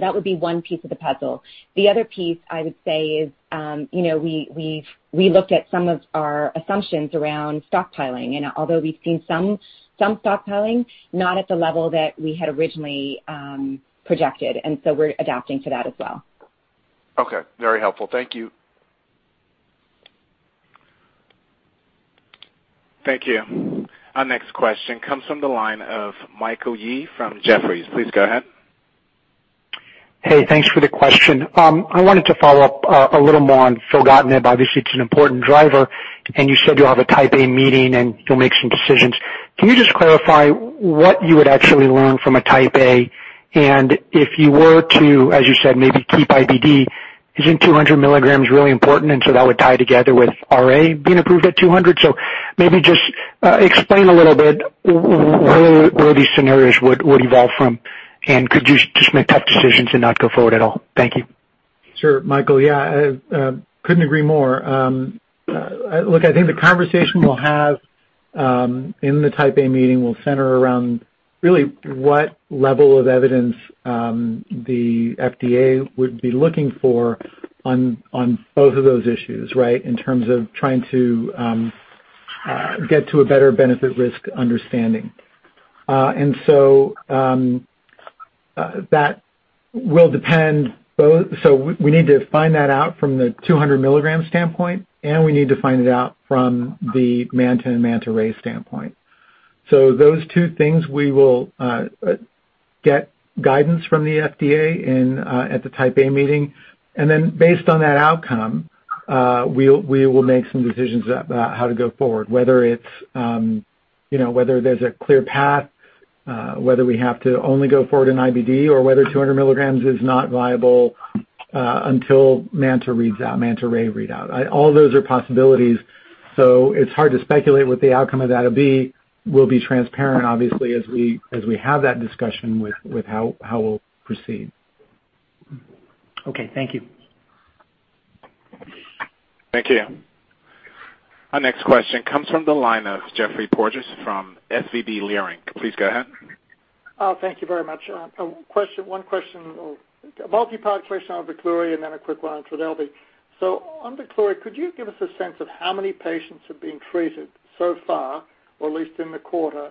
That would be one piece of the puzzle. The other piece I would say is we looked at some of our assumptions around stockpiling, and although we've seen some stockpiling, not at the level that we had originally projected, and so we're adapting to that as well. Okay. Very helpful. Thank you. Thank you. Our next question comes from the line of Michael Yee from Jefferies. Please go ahead. Hey, thanks for the question. I wanted to follow up a little more on Filgotinib. Obviously, it's an important driver, and you said you have a Type A meeting and you'll make some decisions. Can you just clarify what you would actually learn from a Type A? If you were to, as you said, maybe keep IBD, isn't 200 milligrams really important? That would tie together with RA being approved at 200. Maybe just explain a little bit where these scenarios would evolve from, and could you just make tough decisions and not go forward at all? Thank you. Sure, Michael. Yeah, I couldn't agree more. Look, I think the conversation we'll have in the Type A meeting will center around really what level of evidence the FDA would be looking for on both of those issues, right? In terms of trying to get to a better benefit-risk understanding. We need to find that out from the 200 milligrams standpoint, and we need to find it out from the MANTA and MANTA-RAy standpoint. Those two things we will get guidance from the FDA at the Type A meeting. Then based on that outcome, we will make some decisions about how to go forward, whether there's a clear path, whether we have to only go forward in IBD or whether 200 milligrams is not viable until MANTA-RAy readout. All those are possibilities, so it's hard to speculate what the outcome of that'll be. We'll be transparent, obviously, as we have that discussion with how we'll proceed. Okay. Thank you. Thank you. Our next question comes from the line of Geoffrey Porges from SVB Leerink. Please go ahead. Oh, thank you very much. One multi-part question on VEKLURY and a quick one on TRODELVY. On VEKLURY, could you give us a sense of how many patients have been treated so far or at least in the quarter,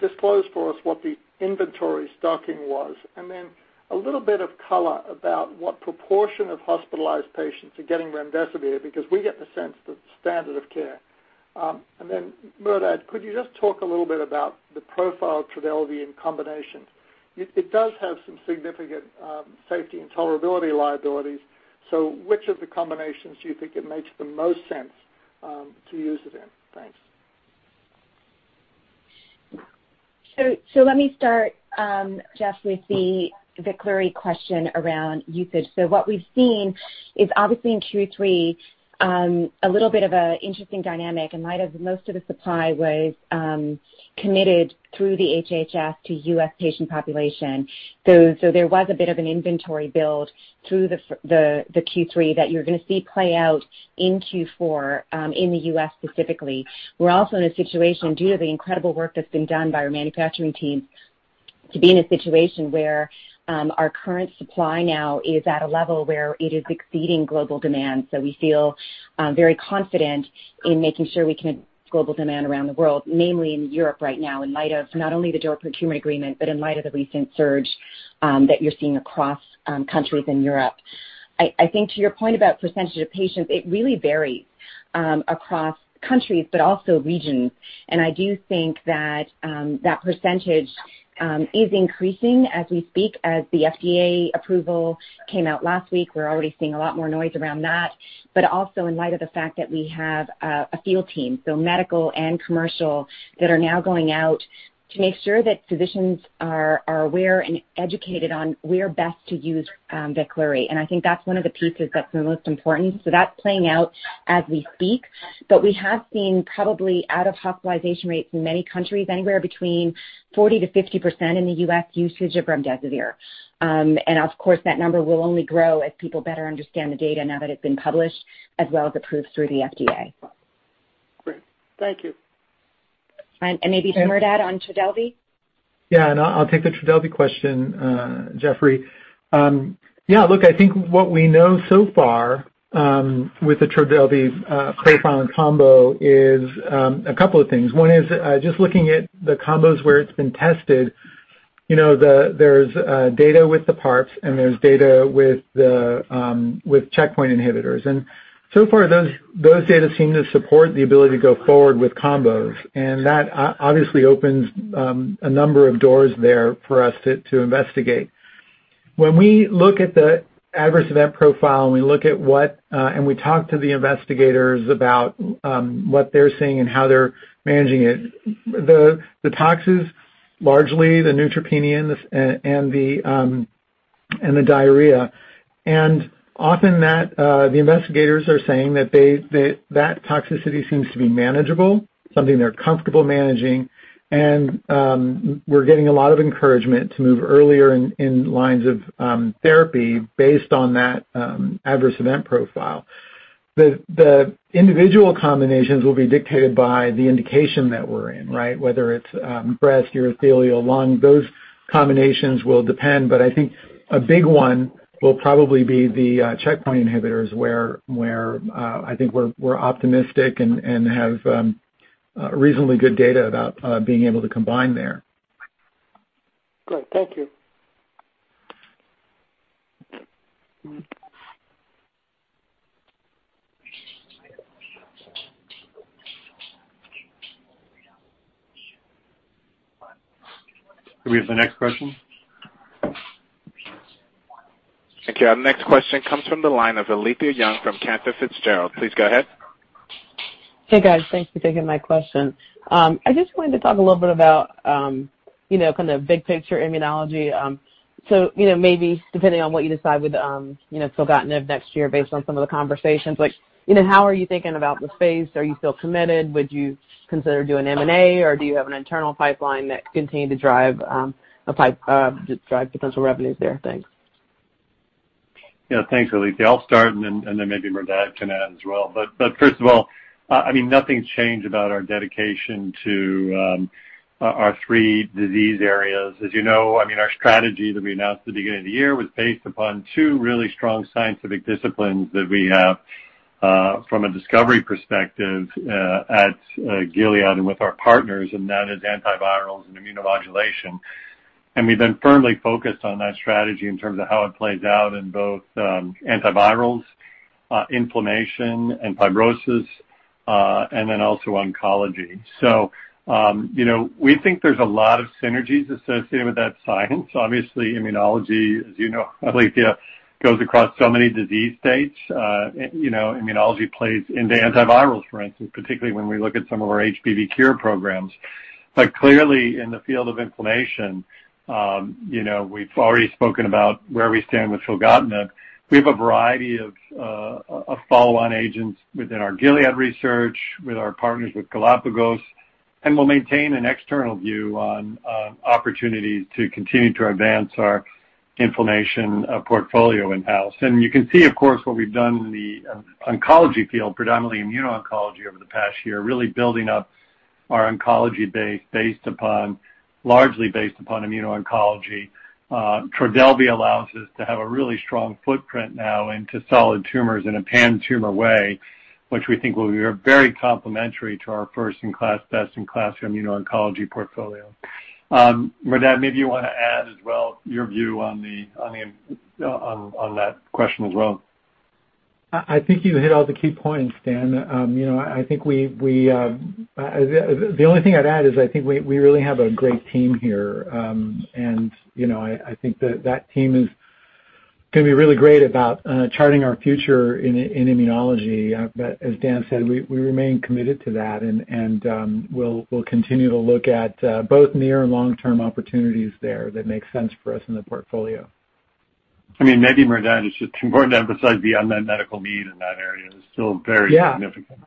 disclose for us what the inventory stocking was? A little bit of color about what proportion of hospitalized patients are getting Remdesivir, because we get the sense that it's standard of care. Merdad, could you just talk a little bit about the profile of TRODELVY in combination? It does have some significant safety and tolerability liabilities. Which of the combinations do you think it makes the most sense to use it in? Thanks. Let me start, Geoffrey, with the VEKLURY question around usage. What we've seen is obviously in Q3, a little bit of an interesting dynamic in light of most of the supply was committed through the HHS to U.S. patient population. There was a bit of an inventory build through the Q3 that you're going to see play out in Q4 in the U.S. specifically. We're also in a situation due to the incredible work that's been done by our manufacturing teams to be in a situation where our current supply now is at a level where it is exceeding global demand. We feel very confident in making sure we can meet global demand around the world, namely in Europe right now in light of not only the joint procurement agreement, but in light of the recent surge that you're seeing across countries in Europe. I think to your point about percentage of patients, it really varies across countries, but also regions. I do think that percentage is increasing as we speak as the FDA approval came out last week. We're already seeing a lot more noise around that, but also in light of the fact that we have a field team, so medical and commercial, that are now going out to make sure that physicians are aware and educated on where best to use VEKLURY. I think that's one of the pieces that's the most important. That's playing out as we speak. We have seen probably out of hospitalization rates in many countries, anywhere between 40%-50% in the U.S. usage of Remdesivir. Of course, that number will only grow as people better understand the data now that it's been published, as well as approved through the FDA. Great. Thank you. Maybe Merdad on TRODELVY? I'll take the TRODELVY question, Geoffrey. Yeah, look, I think what we know so far with the TRODELVY profile and combo is a couple of things. One is just looking at the combos where it's been tested, there's data with the PARPs and there's data with checkpoint inhibitors. So far, those data seem to support the ability to go forward with combos. That obviously opens a number of doors there for us to investigate. When we look at the adverse event profile, and we look at what, we talk to the investigators about what they're seeing and how they're managing it, the tox is largely the neutropenia and the diarrhea. Often the investigators are saying that toxicity seems to be manageable, something they're comfortable managing. We're getting a lot of encouragement to move earlier in lines of therapy based on that adverse event profile. The individual combinations will be dictated by the indication that we're in, right? Whether it's breast, urothelial, lung, those combinations will depend, but I think a big one will probably be the checkpoint inhibitors where I think we're optimistic and have reasonably good data about being able to combine there. Great. Thank you. Can we have the next question? Thank you. Our next question comes from the line of Alethia Young from Cantor Fitzgerald. Please go ahead. Hey, guys. Thanks for taking my question. I just wanted to talk a little bit about kind of big-picture immunology. Maybe depending on what you decide with Filgotinib next year based on some of the conversations, how are you thinking about the space? Are you still committed? Would you consider doing M&A, or do you have an internal pipeline that can continue to drive potential revenues there? Thanks. Thanks, Alethia. I'll start and then maybe Merdad can add as well. First of all, nothing's changed about our dedication to our three disease areas. As you know, our strategy that we announced at the beginning of the year was based upon two really strong scientific disciplines that we have from a discovery perspective at Gilead and with our partners, and that is antivirals and immunomodulation. We've been firmly focused on that strategy in terms of how it plays out in both antivirals, inflammation and fibrosis, and then also oncology. We think there's a lot of synergies associated with that science. Obviously, immunology, as you know, Alethia, goes across so many disease states. Immunology plays into antivirals, for instance, particularly when we look at some of our HBV cure programs. Clearly in the field of inflammation, we've already spoken about where we stand with Filgotinib. We have a variety of follow-on agents within our Gilead research with our partners with Galapagos. We'll maintain an external view on opportunities to continue to advance our inflammation portfolio in-house. You can see, of course, what we've done in the oncology field, predominantly immuno-oncology over the past year, really building up our oncology base largely based upon immuno-oncology. TRODELVY allows us to have a really strong footprint now into solid tumors in a pan-tumor way, which we think will be very complementary to our first-in-class, best-in-class immuno-oncology portfolio. Merdad, maybe you want to add as well your view on that question as well. I think you hit all the key points, Dan. The only thing I'd add is I think we really have a great team here. I think that team is going to be really great about charting our future in immunology. As Dan said, we remain committed to that and we'll continue to look at both near and long-term opportunities there that make sense for us in the portfolio. Maybe, Merdad, it's just important to emphasize the unmet medical need in that area is still very significant.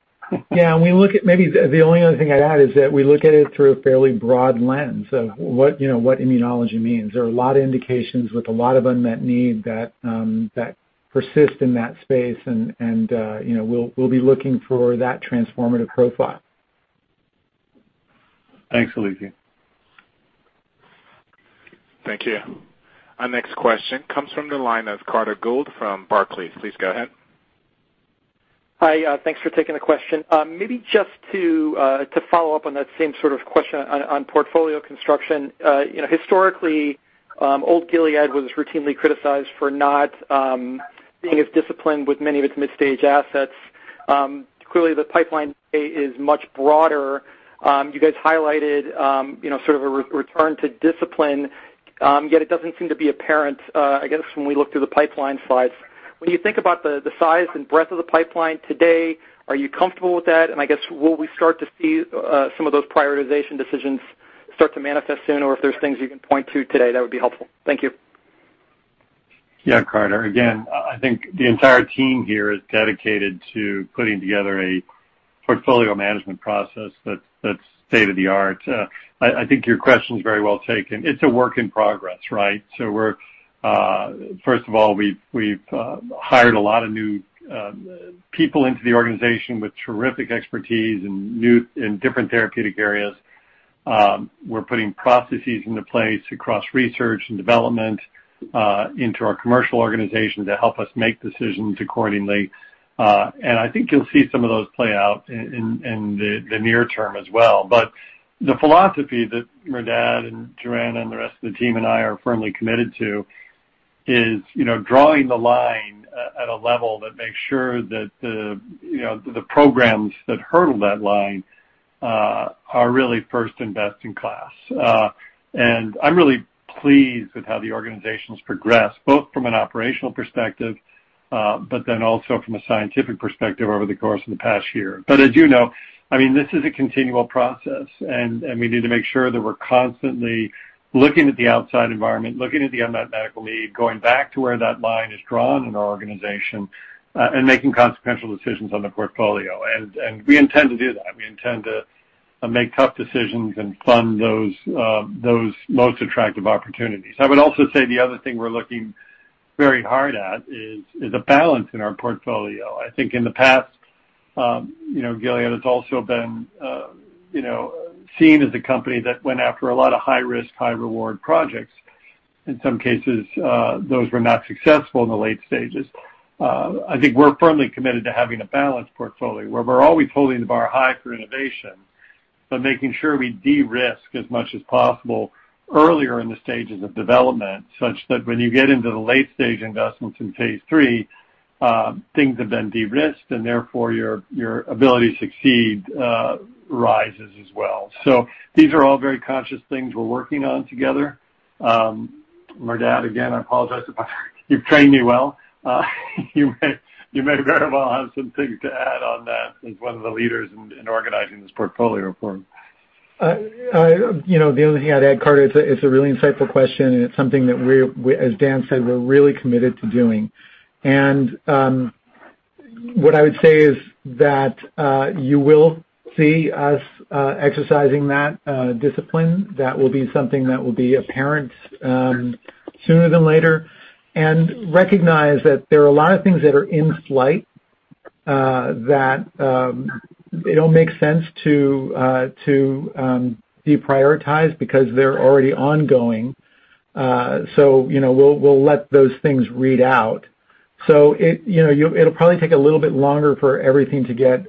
Yeah. The only other thing I'd add is that we look at it through a fairly broad lens of what immunology means. There are a lot of indications with a lot of unmet need that persist in that space and we'll be looking for that transformative profile. Thanks, Alethia. Thank you. Our next question comes from the line of Carter Gould from Barclays. Please go ahead. Hi. Thanks for taking the question. Maybe just to follow up on that same sort of question on portfolio construction. Historically, old Gilead was routinely criticized for not being as disciplined with many of its mid-stage assets. Clearly, the pipeline today is much broader. You guys highlighted sort of a return to discipline, yet it doesn't seem to be apparent, I guess, when we look through the pipeline slides. When you think about the size and breadth of the pipeline today, are you comfortable with that? I guess, will we start to see some of those prioritization decisions start to manifest soon? Or if there's things you can point to today, that would be helpful. Thank you. Yeah, Carter. Again, I think the entire team here is dedicated to putting together a portfolio management process that's state of the art. I think your question's very well taken. It's a work in progress, right? First of all, we've hired a lot of new people into the organization with terrific expertise in different therapeutic areas. We're putting processes into place across research and development into our commercial organization to help us make decisions accordingly. I think you'll see some of those play out in the near term as well. The philosophy that Merdad and Johanna and the rest of the team and I are firmly committed to is drawing the line at a level that makes sure that the programs that hurdle that line are really first in best in class. I'm really pleased with how the organization's progressed, both from an operational perspective but then also from a scientific perspective over the course of the past year. As you know, this is a continual process, and we need to make sure that we're constantly looking at the outside environment, looking at the unmet medical need, going back to where that line is drawn in our organization, and making consequential decisions on the portfolio. We intend to do that. We intend to make tough decisions and fund those most attractive opportunities. I would also say the other thing we're looking very hard at is a balance in our portfolio. I think in the past, Gilead has also been seen as a company that went after a lot of high-risk, high-reward projects. In some cases, those were not successful in the late stages. I think we're firmly committed to having a balanced portfolio where we're always holding the bar high for innovation, but making sure we de-risk as much as possible earlier in the stages of development, such that when you get into the late-stage investments in phase III, things have been de-risked, and therefore your ability to succeed rises as well. These are all very conscious things we're working on together. Merdad, again, I apologize you've trained me well. You may very well have some things to add on that as one of the leaders in organizing this portfolio for me. The only thing I'd add, Carter, it's a really insightful question, and it's something that as Dan said, we're really committed to doing. What I would say is that you will see us exercising that discipline. That will be something that will be apparent sooner than later. Recognize that there are a lot of things that are in flight that it'll make sense to deprioritize because they're already ongoing. We'll let those things read out. It'll probably take a little bit longer for everything to get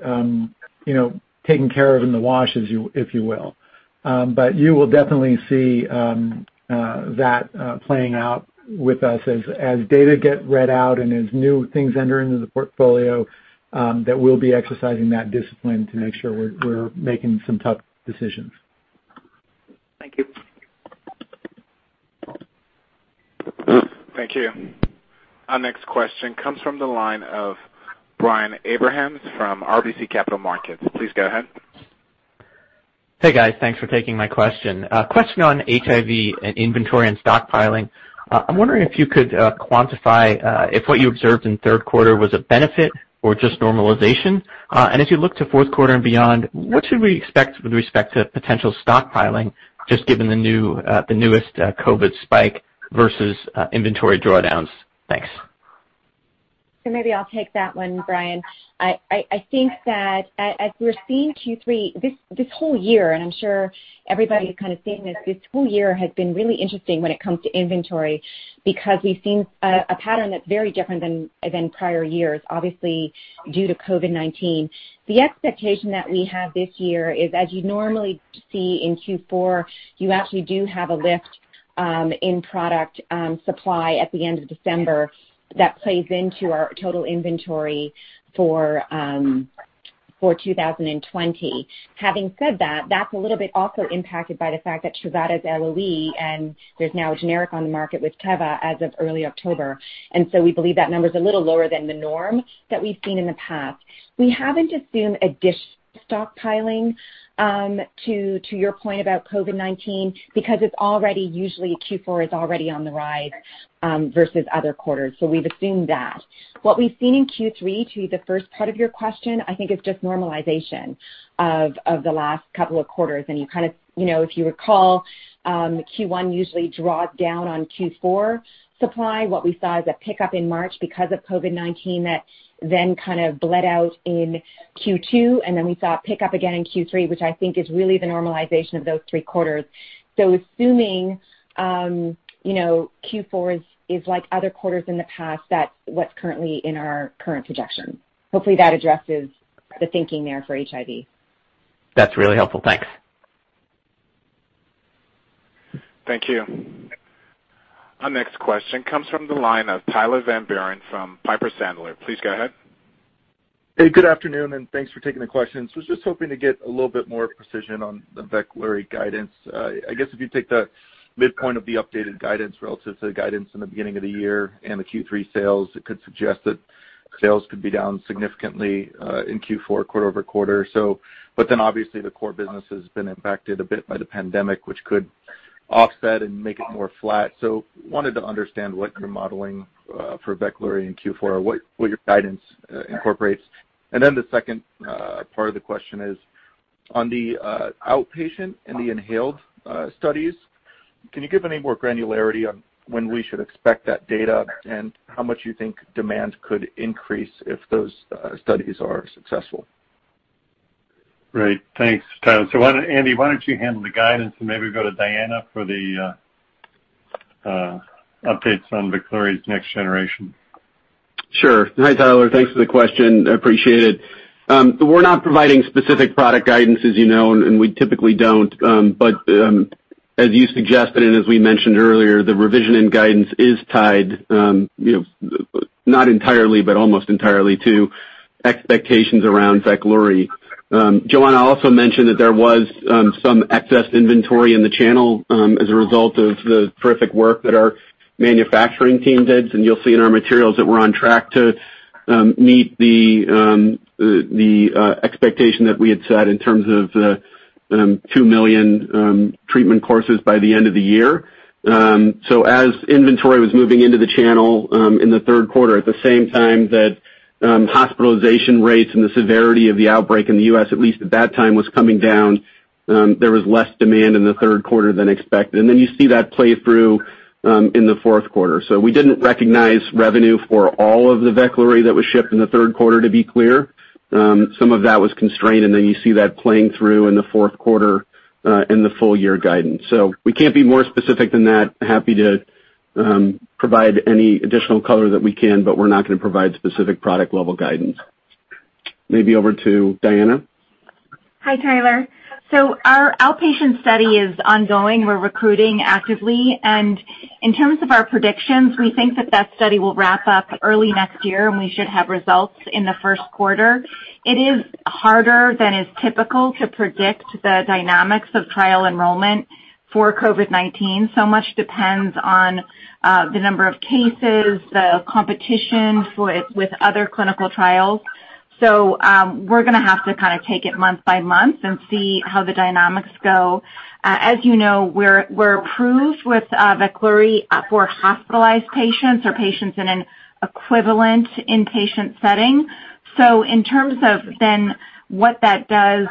taken care of in the wash, if you will. You will definitely see that playing out with us as data get read out and as new things enter into the portfolio, that we'll be exercising that discipline to make sure we're making some tough decisions. Thank you. Thank you. Our next question comes from the line of Brian Abrahams from RBC Capital Markets. Please go ahead. Hey, guys. Thanks for taking my question. A question on HIV and inventory and stockpiling. I'm wondering if you could quantify if what you observed in the third quarter was a benefit or just normalization. As you look to the fourth quarter and beyond, what should we expect with respect to potential stockpiling, just given the newest COVID spike versus inventory drawdowns? Thanks. Maybe I'll take that one, Brian. I think that as we're seeing Q3, this whole year, and I'm sure everybody's kind of seen this whole year has been really interesting when it comes to inventory, because we've seen a pattern that's very different than prior years, obviously due to COVID-19. The expectation that we have this year is as you normally see in Q4, you actually do have a lift in product supply at the end of December that plays into our total inventory for 2020. Having said that's a little bit also impacted by the fact that Truvada's LOE and there's now a generic on the market with Teva as of early October. We believe that number's a little lower than the norm that we've seen in the past. We haven't assumed additional stockpiling, to your point about COVID-19, because usually Q4 is already on the rise versus other quarters. We've assumed that. What we've seen in Q3, to the first part of your question, I think is just normalization of the last couple of quarters, and if you recall, Q1 usually draws down on Q4 supply. What we saw is a pickup in March because of COVID-19 that then kind of bled out in Q2, and then we saw a pickup again in Q3, which I think is really the normalization of those three quarters. Assuming Q4 is like other quarters in the past, that's what's currently in our current projection. Hopefully, that addresses the thinking there for HIV. That's really helpful. Thanks. Thank you. Our next question comes from the line of Tyler Van Buren from Piper Sandler. Please go ahead. Good afternoon, and thanks for taking the question. I was just hoping to get a little bit more precision on the VEKLURY guidance. I guess if you take the midpoint of the updated guidance relative to the guidance in the beginning of the year and the Q3 sales, it could suggest that sales could be down significantly in Q4 quarter-over-quarter. Obviously the core business has been impacted a bit by the pandemic, which could offset and make it more flat. Wanted to understand what your modeling for VEKLURY in Q4, what your guidance incorporates. The second part of the question is on the outpatient and the inhaled studies, can you give any more granularity on when we should expect that data and how much you think demand could increase if those studies are successful? Great. Thanks, Tyler. Andy, why don't you handle the guidance and maybe go to Diana for the updates on VEKLURY's next generation? Sure. Hi, Tyler, thanks for the question. I appreciate it. We're not providing specific product guidance, as you know, and we typically don't. As you suggested, and as we mentioned earlier, the revision in guidance is tied, not entirely, but almost entirely to expectations around VEKLURY. Johanna also mentioned that there was some excess inventory in the channel as a result of the terrific work that our manufacturing teams did, and you'll see in our materials that we're on track to meet the expectation that we had set in terms of two million treatment courses by the end of the year. As inventory was moving into the channel in the third quarter, at the same time that hospitalization rates and the severity of the outbreak in the U.S., at least at that time, was coming down, there was less demand in the third quarter than expected. Then you see that play through in the fourth quarter. We didn't recognize revenue for all of the VEKLURY that was shipped in the third quarter, to be clear. Some of that was constrained, then you see that playing through in the fourth quarter in the full-year guidance. We can't be more specific than that. Happy to provide any additional color that we can, but we're not going to provide specific product-level guidance. Maybe over to Diana. Hi, Tyler. Our outpatient study is ongoing. We're recruiting actively and in terms of our predictions, we think that that study will wrap up early next year, and we should have results in the first quarter. It is harder than is typical to predict the dynamics of trial enrollment for COVID-19. Much depends on the number of cases, the competition with other clinical trials. We're going to have to take it month by month and see how the dynamics go. As you know, we're approved with VEKLURY for hospitalized patients or patients in an equivalent inpatient setting. In terms of then what that does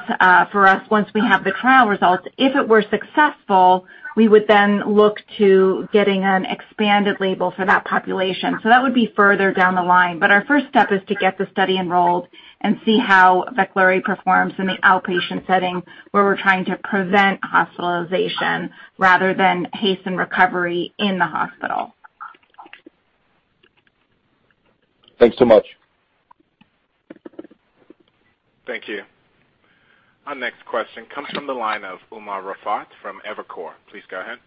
for us once we have the trial results, if it were successful, we would then look to getting an expanded label for that population. That would be further down the line. Our first step is to get the study enrolled and see how VEKLURY performs in the outpatient setting, where we're trying to prevent hospitalization rather than hasten recovery in the hospital. Thanks so much. Thank you. Our next question comes from the line of Umer Raffat from Evercore. Please go ahead.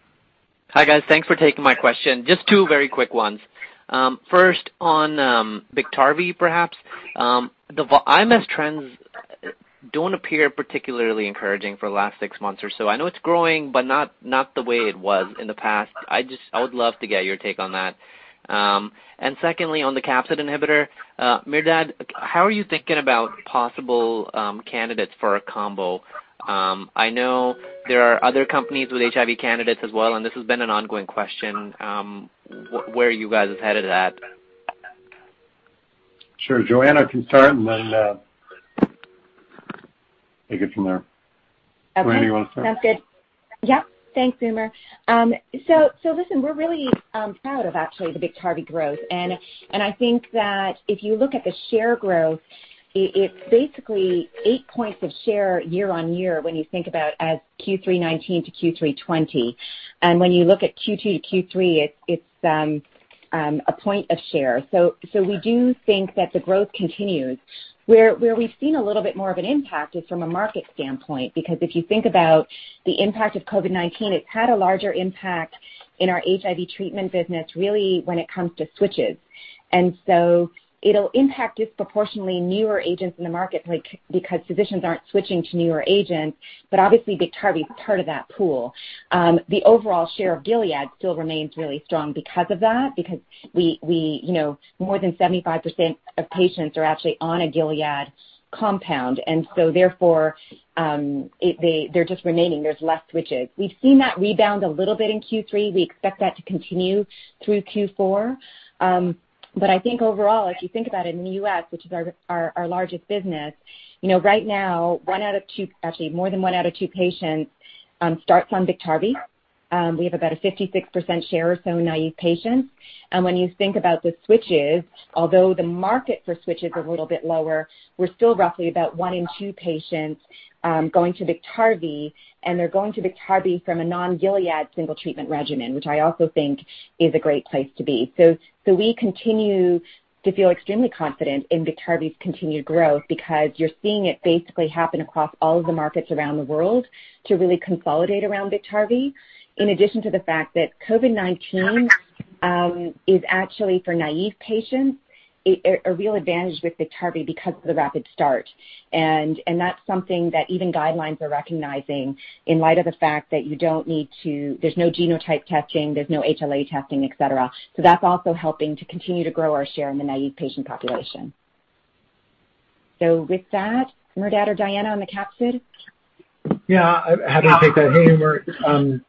Hi, guys. Thanks for taking my question. Just two very quick ones. First, on BIKTARVY perhaps. The IMS trends don't appear particularly encouraging for the last six months or so. I know it's growing, but not the way it was in the past. I would love to get your take on that. Secondly, on the capsid inhibitor, Merdad, how are you thinking about possible candidates for a combo? I know there are other companies with HIV candidates as well, and this has been an ongoing question. Where are you guys headed at? Sure. Johanna can start and then take it from there. Johanna, do you want to start? Sounds good. Yeah. Thanks, Umer. Listen, we're really proud of actually the BIKTARVY growth. I think that if you look at the share growth, it's basically eight points of share year-on-year when you think about as Q3 2019-Q3 2020. When you look at Q2 to Q3, it's one point of share. We do think that the growth continues. Where we've seen a little bit more of an impact is from a market standpoint, because if you think about the impact of COVID-19, it's had a larger impact in our HIV treatment business, really when it comes to switches. It'll impact disproportionately newer agents in the market because physicians aren't switching to newer agents. Obviously, BIKTARVY is part of that pool. The overall share of Gilead still remains really strong because of that, because more than 75% of patients are actually on a Gilead compound, and so therefore, they're just remaining. There's less switches. We've seen that rebound a little bit in Q3. We expect that to continue through Q4. I think overall, if you think about it in the U.S., which is our largest business, right now, more than one out of two patients starts on BIKTARVY. We have about a 56% share or so in naive patients. When you think about the switches, although the market for switches is a little bit lower, we're still roughly about one in two patients going to BIKTARVY, and they're going to BIKTARVY from a non-Gilead single treatment regimen, which I also think is a great place to be. We continue to feel extremely confident in Biktarvy's continued growth because you're seeing it basically happen across all of the markets around the world to really consolidate around Biktarvy. In addition to the fact that COVID-19 is actually for naive patients, a real advantage with Biktarvy because of the rapid start. That's something that even guidelines are recognizing in light of the fact that there's no genotype testing, there's no HLA testing, et cetera. That's also helping to continue to grow our share in the naive patient population. With that, Merdad or Diana on the capsid? Yeah, happy to take that. Hey, Umer.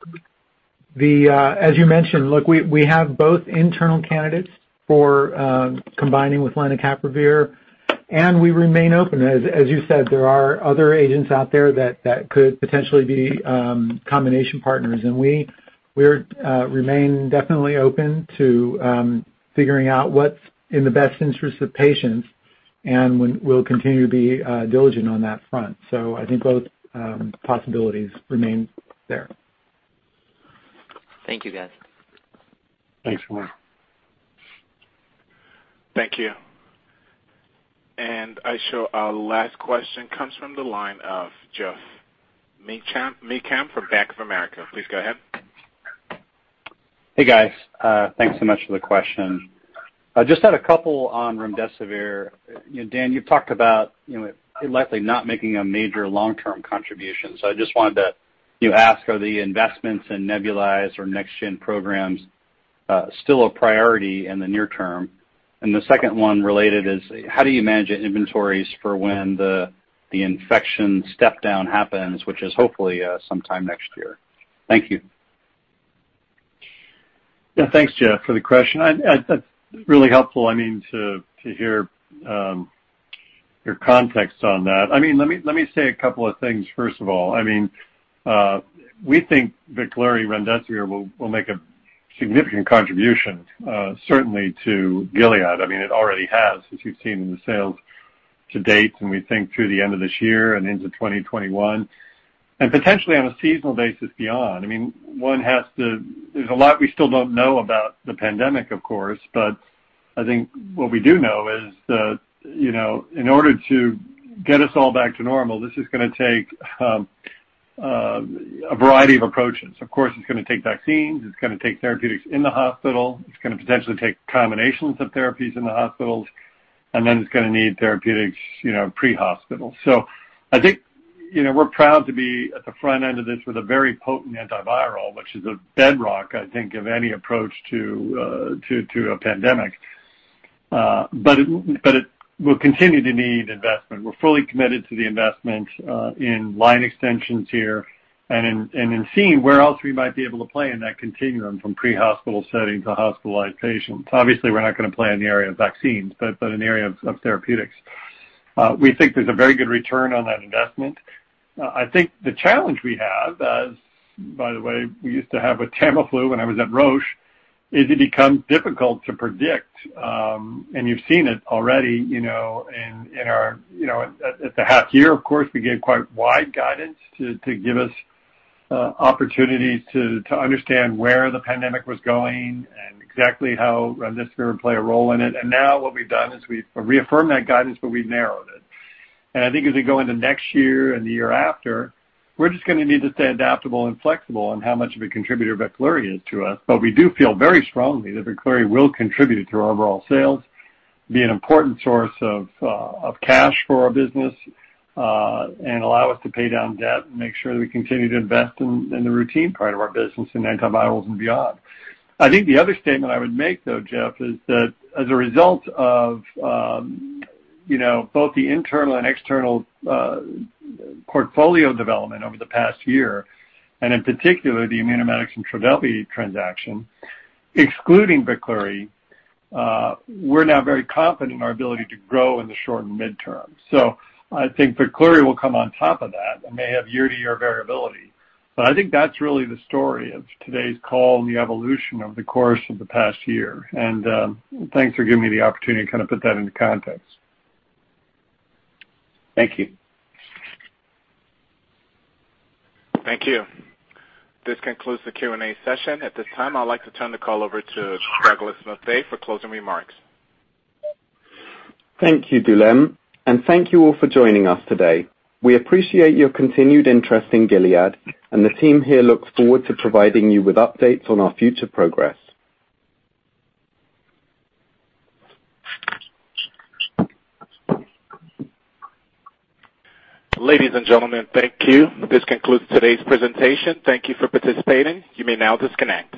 As you mentioned, look, we have both internal candidates for combining with Lenacapavir, and we remain open. As you said, there are other agents out there that could potentially be combination partners. We remain definitely open to figuring out what's in the best interest of patients, and we'll continue to be diligent on that front. I think both possibilities remain there. Thank you, guys. Thanks, Umer. Thank you. I show our last question comes from the line of Geoff Meacham from Bank of America. Please go ahead. Hey, guys. Thanks so much for the question. I just had a couple on Remdesivir. Dan, you've talked about it likely not making a major long-term contribution. I just wanted to ask, are the investments in nebulize or next-gen programs still a priority in the near term? The second one related is how do you manage inventories for when the infection step down happens, which is hopefully sometime next year? Thank you. Yeah. Thanks, Geoff, for the question. That's really helpful to hear your context on that. Let me say a couple of things first of all. We think VEKLURY (remdesivir) will make a significant contribution certainly to Gilead. It already has, as you've seen in the sales to date, and we think through the end of this year and into 2021, and potentially on a seasonal basis beyond. There's a lot we still don't know about the pandemic, of course. I think what we do know is that in order to get us all back to normal, this is going to take a variety of approaches. Of course, it's going to take vaccines, it's going to take therapeutics in the hospital, it's going to potentially take combinations of therapies in the hospitals, and then it's going to need therapeutics pre-hospital. I think we're proud to be at the front end of this with a very potent antiviral, which is a bedrock, I think, of any approach to a pandemic. It will continue to need investment. We're fully committed to the investment in line extensions here and in seeing where else we might be able to play in that continuum from pre-hospital setting to hospitalization. Obviously, we're not going to play in the area of vaccines, but in the area of therapeutics. We think there's a very good return on that investment. I think the challenge we have as, by the way, we used to have with Tamiflu when I was at Roche, is it becomes difficult to predict. You've seen it already in at the half year, of course, we gave quite wide guidance to give us opportunities to understand where the pandemic was going and exactly how Remdesivir would play a role in it. Now what we've done is we've reaffirmed that guidance, but we've narrowed it. I think as we go into next year and the year after, we're just going to need to stay adaptable and flexible on how much of a contributor VEKLURY is to us. We do feel very strongly that VEKLURY will contribute to our overall sales, be an important source of cash for our business, and allow us to pay down debt and make sure that we continue to invest in the routine part of our business in antivirals and beyond. I think the other statement I would make, though, Geoff, is that as a result of both the internal and external portfolio development over the past year, and in particular the Immunomedics and Takeda transaction, excluding VEKLURY, we're now very confident in our ability to grow in the short and midterm. I think VEKLURY will come on top of that. It may have year-to-year variability, I think that's really the story of today's call and the evolution over the course of the past year. Thanks for giving me the opportunity to kind of put that into context. Thank you. Thank you. This concludes the Q&A session. At this time, I'd like to turn the call over to Douglas Maffei for closing remarks. Thank you, Dulem, and thank you all for joining us today. We appreciate your continued interest in Gilead, and the team here looks forward to providing you with updates on our future progress. Ladies and gentlemen, thank you. This concludes today's presentation. Thank you for participating. You may now disconnect.